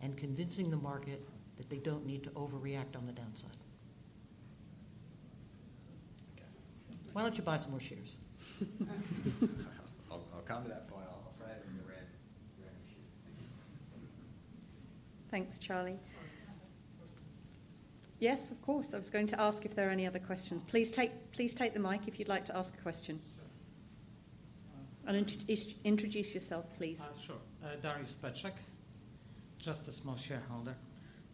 G: and convincing the market that they don't need to overreact on the downside. Why don't you buy some more shares?
C: I'll come to that point. I'll try to ramp you up.
A: Thanks, Charlie. Yes, of course. I was going to ask if there are any other questions. Please take the mic if you'd like to ask a question. Introduce yourself, please.
H: Sure. Dariusz Pczak, just a small shareholder.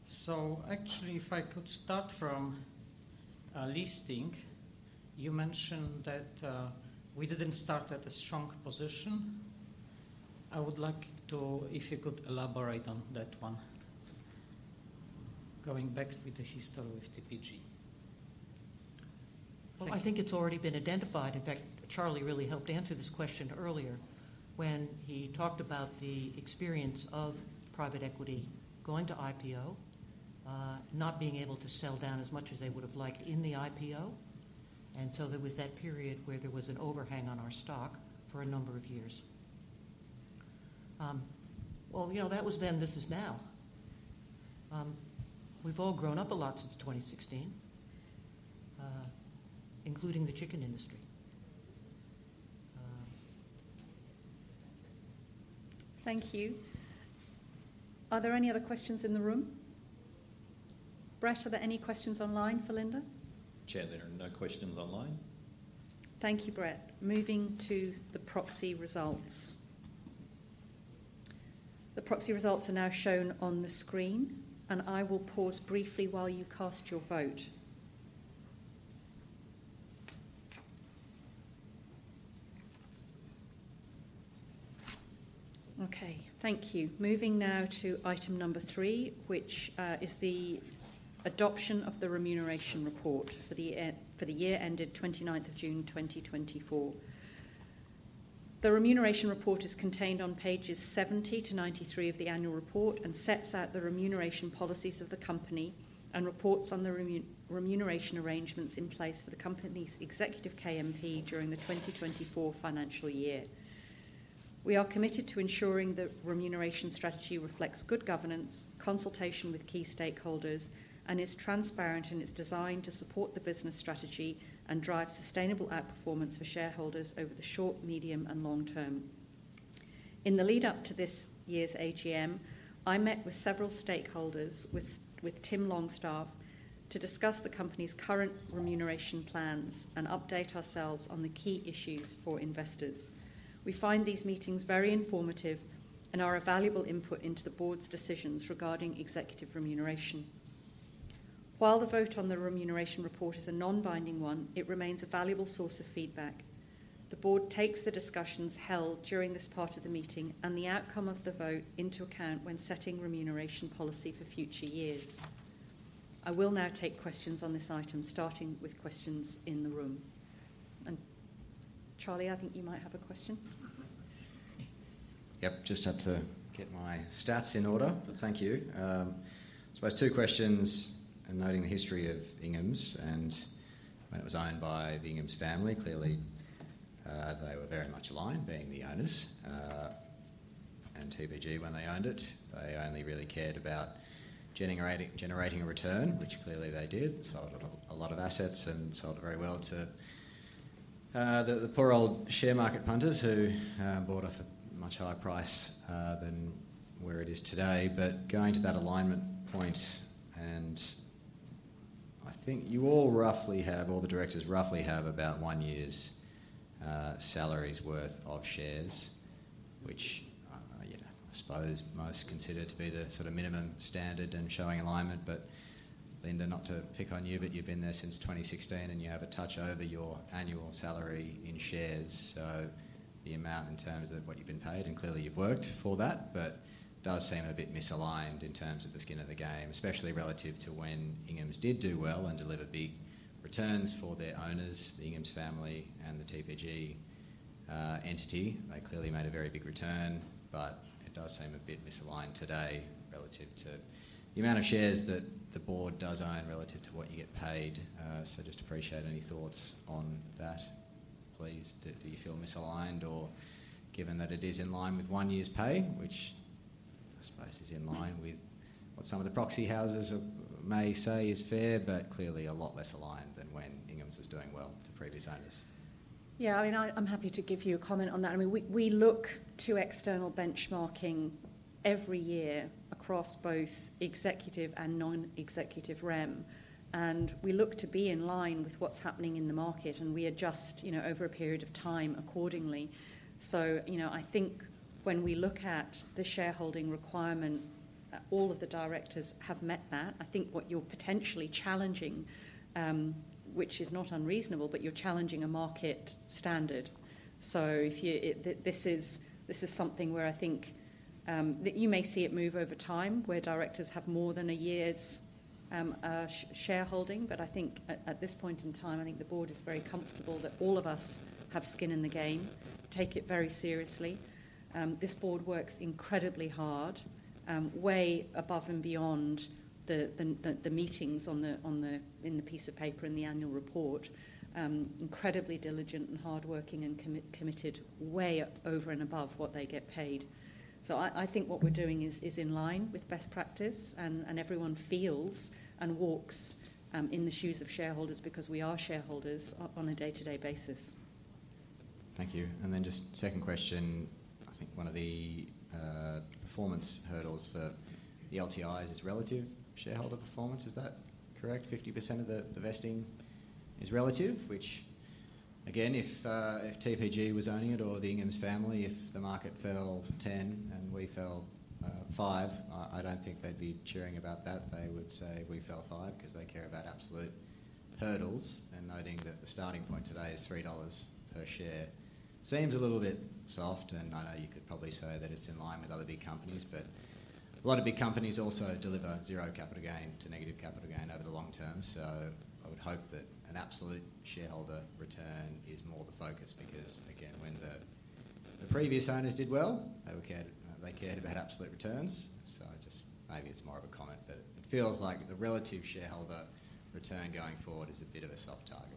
H: So actually, if I could start from listing, you mentioned that we didn't start at a strong position. I would like to, if you could, elaborate on that one, going back to the history with TPG.
G: I think it's already been identified. In fact, Charlie really helped answer this question earlier when he talked about the experience of private equity going to IPO, not being able to sell down as much as they would have liked in the IPO, and so there was that period where there was an overhang on our stock for a number of years, well, you know that was then, this is now. We've all grown up a lot since 2016, including the chicken industry.
A: Thank you. Are there any other questions in the room? Brett, are there any questions online for Linda?
D: Chair, there are no questions online.
A: Thank you, Brett. Moving to the proxy results. The proxy results are now shown on the screen, and I will pause briefly while you cast your vote. Okay, thank you. Moving now to item number three, which is the adoption of the remuneration report for the year ended 29th of June 2024. The remuneration report is contained on pages 70-93 of the annual report and sets out the remuneration policies of the company and reports on the remuneration arrangements in place for the company's executive KMP during the 2024 financial year. We are committed to ensuring the remuneration strategy reflects good governance, consultation with key stakeholders, and is transparent and is designed to support the business strategy and drive sustainable outperformance for shareholders over the short, medium, and long term. In the lead-up to this year's AGM, I met with several stakeholders, with Tim Longstaff, to discuss the company's current remuneration plans and update ourselves on the key issues for investors. We find these meetings very informative and are a valuable input into the board's decisions regarding executive remuneration. While the vote on the remuneration report is a non-binding one, it remains a valuable source of feedback. The board takes the discussions held during this part of the meeting and the outcome of the vote into account when setting remuneration policy for future years. I will now take questions on this item, starting with questions in the room, and Charlie, I think you might have a question.
C: Yep, just had to get my stats in order. Thank you. So I have two questions and noting the history of Inghams and when it was owned by the Inghams family. Clearly, they were very much aligned being the owners, and TPG, when they owned it, they only really cared about generating a return, which clearly they did. Sold a lot of assets and sold very well to the poor old share market punters who bought it for a much higher price than where it is today. But going to that alignment point, and I think you all roughly have, all the directors roughly have about one year's salaries' worth of shares, which I suppose most consider to be the sort of minimum standard and showing alignment. But Linda, not to pick on you, but you've been there since 2016 and you have a touch over your annual salary in shares. So the amount in terms of what you've been paid, and clearly you've worked for that, but does seem a bit misaligned in terms of the skin of the game, especially relative to when Inghams did do well and deliver big returns for their owners, the Inghams family and the TPG entity. They clearly made a very big return, but it does seem a bit misaligned today relative to the amount of shares that the board does own relative to what you get paid. So just appreciate any thoughts on that, please. Do you feel misaligned, or given that it is in line with one year's pay, which I suppose is in line with what some of the proxy houses may say is fair, but clearly a lot less aligned than when Inghams was doing well to previous owners?
G: Yeah, I mean, I'm happy to give you a comment on that. I mean, we look to external benchmarking every year across both executive and non-executive rem, and we look to be in line with what's happening in the market, and we adjust over a period of time accordingly. So I think when we look at the shareholding requirement, all of the directors have met that. I think what you're potentially challenging, which is not unreasonable, but you're challenging a market standard. So this is something where I think that you may see it move over time where directors have more than a year's shareholding. But I think at this point in time, I think the board is very comfortable that all of us have skin in the game, take it very seriously. This board works incredibly hard, way above and beyond the meetings in the piece of paper in the annual report, incredibly diligent and hardworking and committed way over and above what they get paid. So I think what we're doing is in line with best practice, and everyone feels and walks in the shoes of shareholders because we are shareholders on a day-to-day basis.
C: Thank you, and then just second question. I think one of the performance hurdles for the LTIs is relative shareholder performance. Is that correct? 50% of the vesting is relative, which again, if TPG was owning it or the Inghams family, if the market fell 10 and we fell 5, I don't think they'd be cheering about that. They would say we fell 5 because they care about absolute hurdles and noting that the starting point today is 3 dollars per share. Seems a little bit soft, and I know you could probably say that it's in line with other big companies, but a lot of big companies also deliver zero capital gain to negative capital gain over the long term. So I would hope that an absolute shareholder return is more the focus because, again, when the previous owners did well, they cared about absolute returns. So just maybe it's more of a comment, but it feels like the relative shareholder return going forward is a bit of a soft target.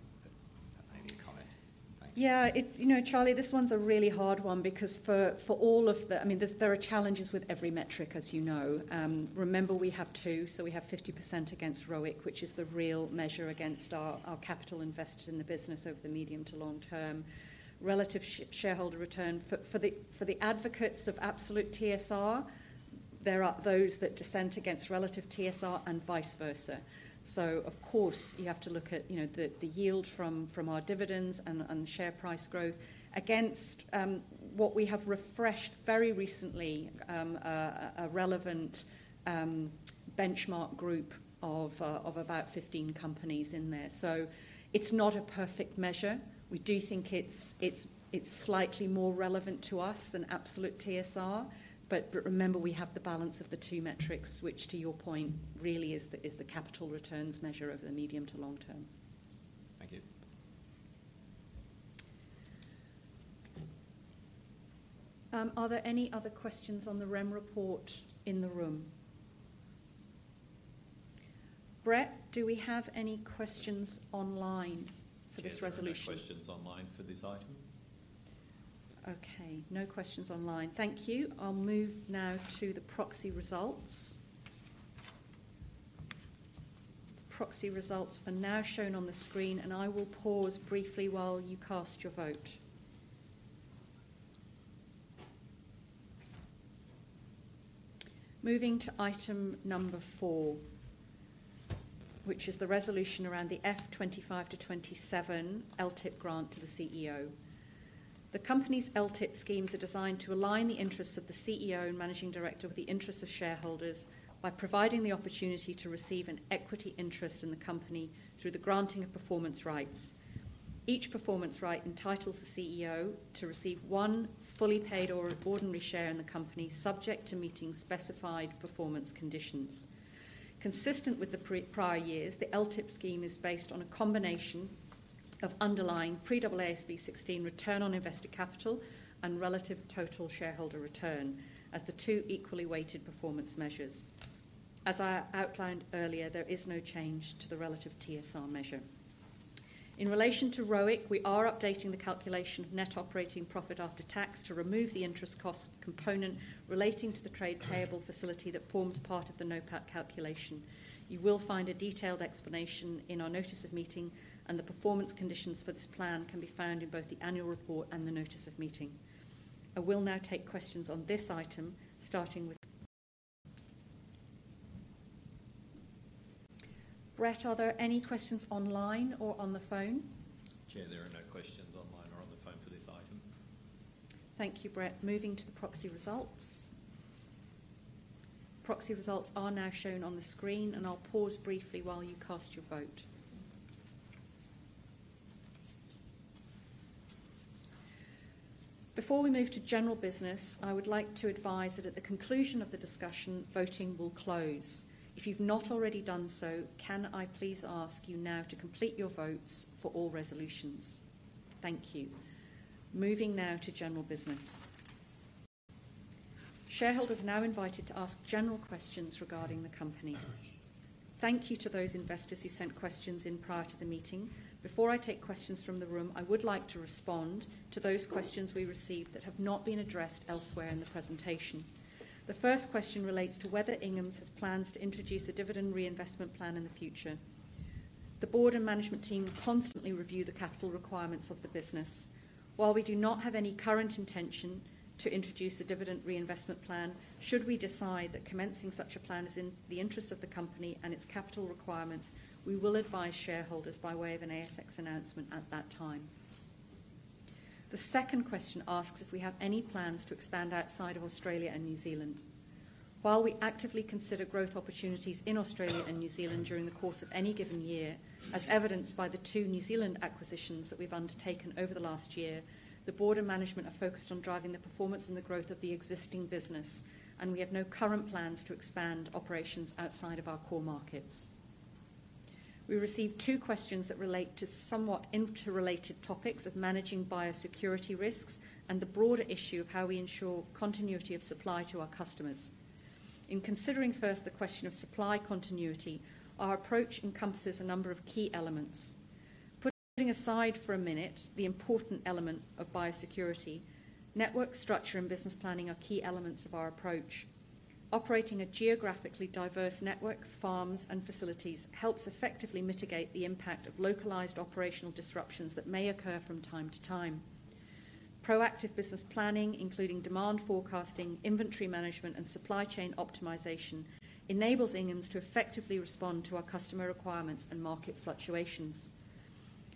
C: But maybe a comment. Thanks.
G: Yeah, Charlie, this one's a really hard one because for all of the, I mean, there are challenges with every metric, as you know. Remember, we have two. So we have 50% against ROIC, which is the real measure against our capital invested in the business over the medium to long term. Relative shareholder return for the advocates of absolute TSR, there are those that dissent against relative TSR and vice versa. So of course, you have to look at the yield from our dividends and share price growth against what we have refreshed very recently, a relevant benchmark group of about 15 companies in there. So it's not a perfect measure. We do think it's slightly more relevant to us than absolute TSR, but remember, we have the balance of the two metrics, which to your point really is the capital returns measure over the medium to long term.
C: Thank you.
A: Are there any other questions on the rem report in the room? Brett, do we have any questions online for this resolution?
D: No questions online for this item.
A: Okay, no questions online. Thank you. I'll move now to the proxy results. Proxy results are now shown on the screen, and I will pause briefly while you cast your vote. Moving to item number four, which is the resolution around the FY 2025-2027 LTIP grant to the CEO. The company's LTIP schemes are designed to align the interests of the CEO and managing director with the interests of shareholders by providing the opportunity to receive an equity interest in the company through the granting of performance rights. Each performance right entitles the CEO to receive one fully paid ordinary share in the company subject to meeting specified performance conditions. Consistent with the prior years, the LTIP scheme is based on a combination of underlying pre-AASB 16 return on invested capital and relative total shareholder return as the two equally weighted performance measures. As I outlined earlier, there is no change to the relative TSR measure. In relation to ROIC, we are updating the calculation of net operating profit after tax to remove the interest cost component relating to the trade payable facility that forms part of the NOPAT calculation. You will find a detailed explanation in our notice of meeting, and the performance conditions for this plan can be found in both the annual report and the notice of meeting. I will now take questions on this item, starting with Brett. Are there any questions online or on the phone?
D: Chair, there are no questions online or on the phone for this item.
A: Thank you, Brett. Moving to the proxy results. Proxy results are now shown on the screen, and I'll pause briefly while you cast your vote. Before we move to general business, I would like to advise that at the conclusion of the discussion, voting will close. If you've not already done so, can I please ask you now to complete your votes for all resolutions? Thank you. Moving now to general business. Shareholders are now invited to ask general questions regarding the company. Thank you to those investors who sent questions in prior to the meeting. Before I take questions from the room, I would like to respond to those questions we received that have not been addressed elsewhere in the presentation. The first question relates to whether Inghams has plans to introduce a dividend reinvestment plan in the future. The board and management team will constantly review the capital requirements of the business. While we do not have any current intention to introduce a dividend reinvestment plan, should we decide that commencing such a plan is in the interest of the company and its capital requirements, we will advise shareholders by way of an ASX announcement at that time. The second question asks if we have any plans to expand outside of Australia and New Zealand. While we actively consider growth opportunities in Australia and New Zealand during the course of any given year, as evidenced by the two New Zealand acquisitions that we've undertaken over the last year, the board and management are focused on driving the performance and the growth of the existing business, and we have no current plans to expand operations outside of our core markets. We received two questions that relate to somewhat interrelated topics of managing biosecurity risks and the broader issue of how we ensure continuity of supply to our customers. In considering first the question of supply continuity, our approach encompasses a number of key elements. Putting aside for a minute the important element of biosecurity, network structure and business planning are key elements of our approach. Operating a geographically diverse network of farms and facilities helps effectively mitigate the impact of localized operational disruptions that may occur from time to time. Proactive business planning, including demand forecasting, inventory management, and supply chain optimization, enables Inghams to effectively respond to our customer requirements and market fluctuations.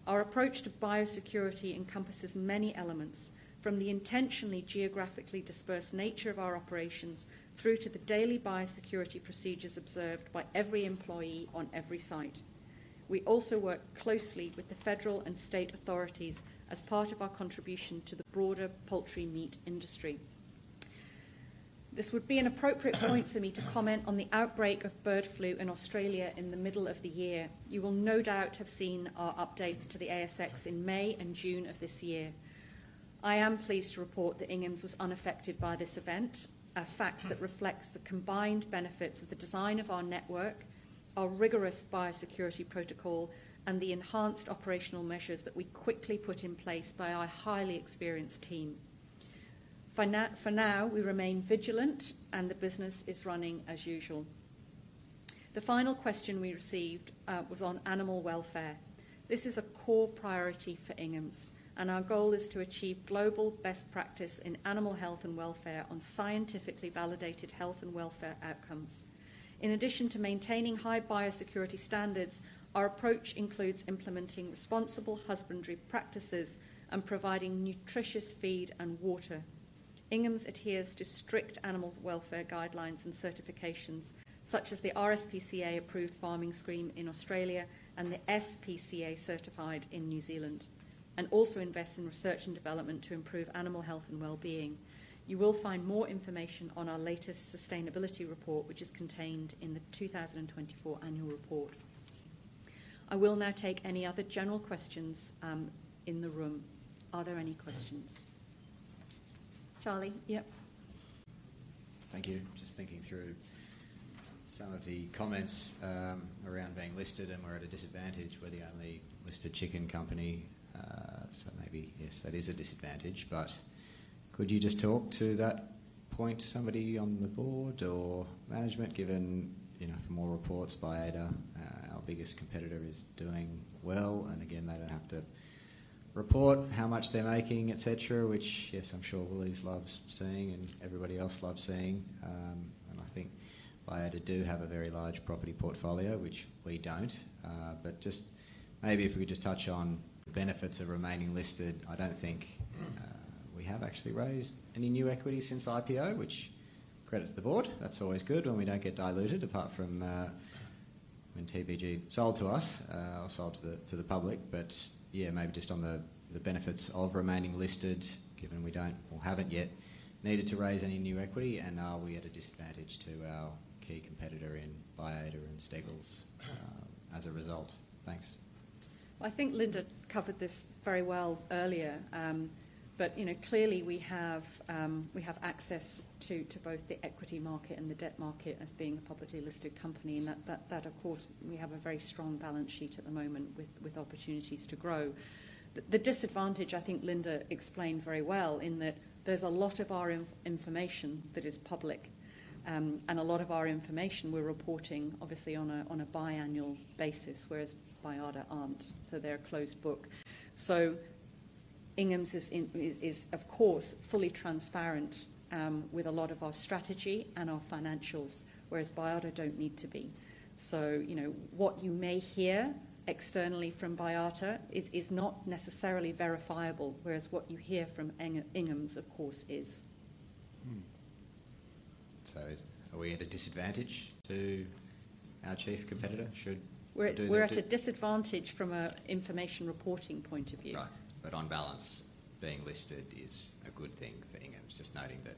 A: Our approach to biosecurity encompasses many elements, from the intentionally geographically dispersed nature of our operations through to the daily biosecurity procedures observed by every employee on every site. We also work closely with the federal and state authorities as part of our contribution to the broader poultry meat industry. This would be an appropriate point for me to comment on the outbreak of bird flu in Australia in the middle of the year. You will no doubt have seen our updates to the ASX in May and June of this year. I am pleased to report that Inghams was unaffected by this event, a fact that reflects the combined benefits of the design of our network, our rigorous biosecurity protocol, and the enhanced operational measures that we quickly put in place by our highly experienced team. For now, we remain vigilant, and the business is running as usual. The final question we received was on animal welfare. This is a core priority for Inghams, and our goal is to achieve global best practice in animal health and welfare on scientifically validated health and welfare outcomes. In addition to maintaining high biosecurity standards, our approach includes implementing responsible husbandry practices and providing nutritious feed and water. Inghams adheres to strict animal welfare guidelines and certifications, such as the RSPCA Approved Farming Scheme in Australia and the SPCA Certified in New Zealand, and also invests in research and development to improve animal health and well-being. You will find more information on our latest sustainability report, which is contained in the 2024 annual report. I will now take any other general questions in the room. Are there any questions? Charlie, yep.
C: Thank you. Just thinking through some of the comments around being listed and we're at a disadvantage with the only listed chicken company. So maybe, yes, that is a disadvantage, but could you just talk to that point, somebody on the board or management, given more reports by Baiada? Our biggest competitor is doing well, and again, they don't have to report how much they're making, etc., which, yes, I'm sure Woolies loves seeing and everybody else loves seeing, and I think Baiada do have a very large property portfolio, which we don't, but just maybe if we could just touch on the benefits of remaining listed. I don't think we have actually raised any new equity since IPO, which credits the board. That's always good when we don't get diluted, apart from when TPG sold to us or sold to the public. But yeah, maybe just on the benefits of remaining listed, given we don't or haven't yet needed to raise any new equity, and are we at a disadvantage to our key competitor in Baiada and Steggles as a result? Thanks.
A: I think Linda covered this very well earlier, but clearly we have access to both the equity market and the debt market as being a publicly listed company. That, of course, we have a very strong balance sheet at the moment with opportunities to grow. The disadvantage, I think Linda explained very well in that there's a lot of our information that is public, and a lot of our information we're reporting, obviously, on a biannual basis, whereas Baiada aren't. They're a closed book. Inghams is, of course, fully transparent with a lot of our strategy and our financials, whereas Baiada don't need to be. What you may hear externally from Baiada is not necessarily verifiable, whereas what you hear from Inghams, of course, is.
C: So are we at a disadvantage to our chief competitor? Should we do that?
A: We're at a disadvantage from an information reporting point of view.
C: Right. But on balance, being listed is a good thing for Inghams, just noting that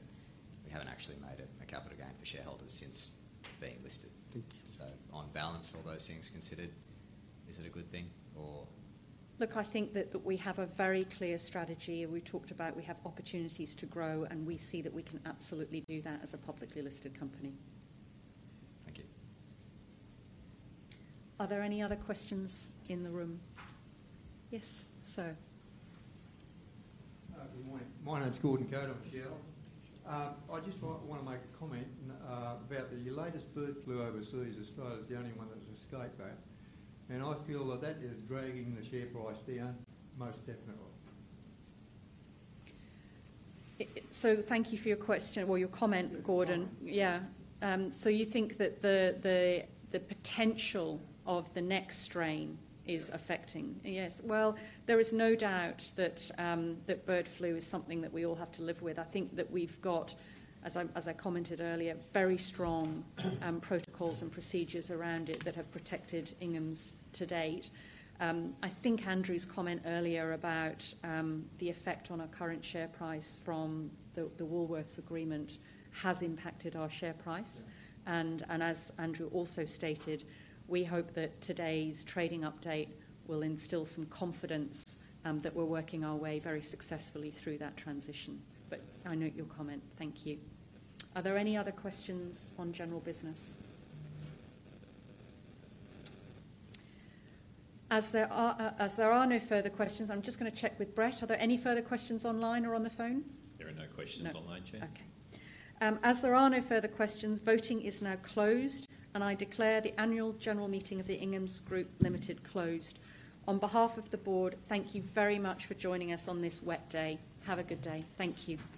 C: we haven't actually made a capital gain for shareholders since being listed. So on balance, all those things considered, is it a good thing or?
A: Look, I think that we have a very clear strategy. We talked about we have opportunities to grow, and we see that we can absolutely do that as a publicly listed company.
C: Thank you.
A: Are there any other questions in the room? Yes. My name's Gordon Curtin. I just want to make a comment about the latest bird flu overseas. Australia is the only one that's escaped that. And I feel that that is dragging the share price down most definitely. So thank you for your question or your comment, Gordon. Yeah. So you think that the potential of the next strain is affecting? Yes. Well, there is no doubt that bird flu is something that we all have to live with. I think that we've got, as I commented earlier, very strong protocols and procedures around it that have protected Inghams to date. I think Andrew's comment earlier about the effect on our current share price from the Woolworths agreement has impacted our share price. And as Andrew also stated, we hope that today's trading update will instill some confidence that we're working our way very successfully through that transition. But I note your comment. Thank you. Are there any other questions on general business? As there are no further questions, I'm just going to check with Brett. Are there any further questions online or on the phone?
D: There are no questions online, Chair.
A: No. Okay. As there are no further questions, voting is now closed, and I declare the annual general meeting of the Inghams Group Limited closed. On behalf of the board, thank you very much for joining us on this wet day. Have a good day. Thank you.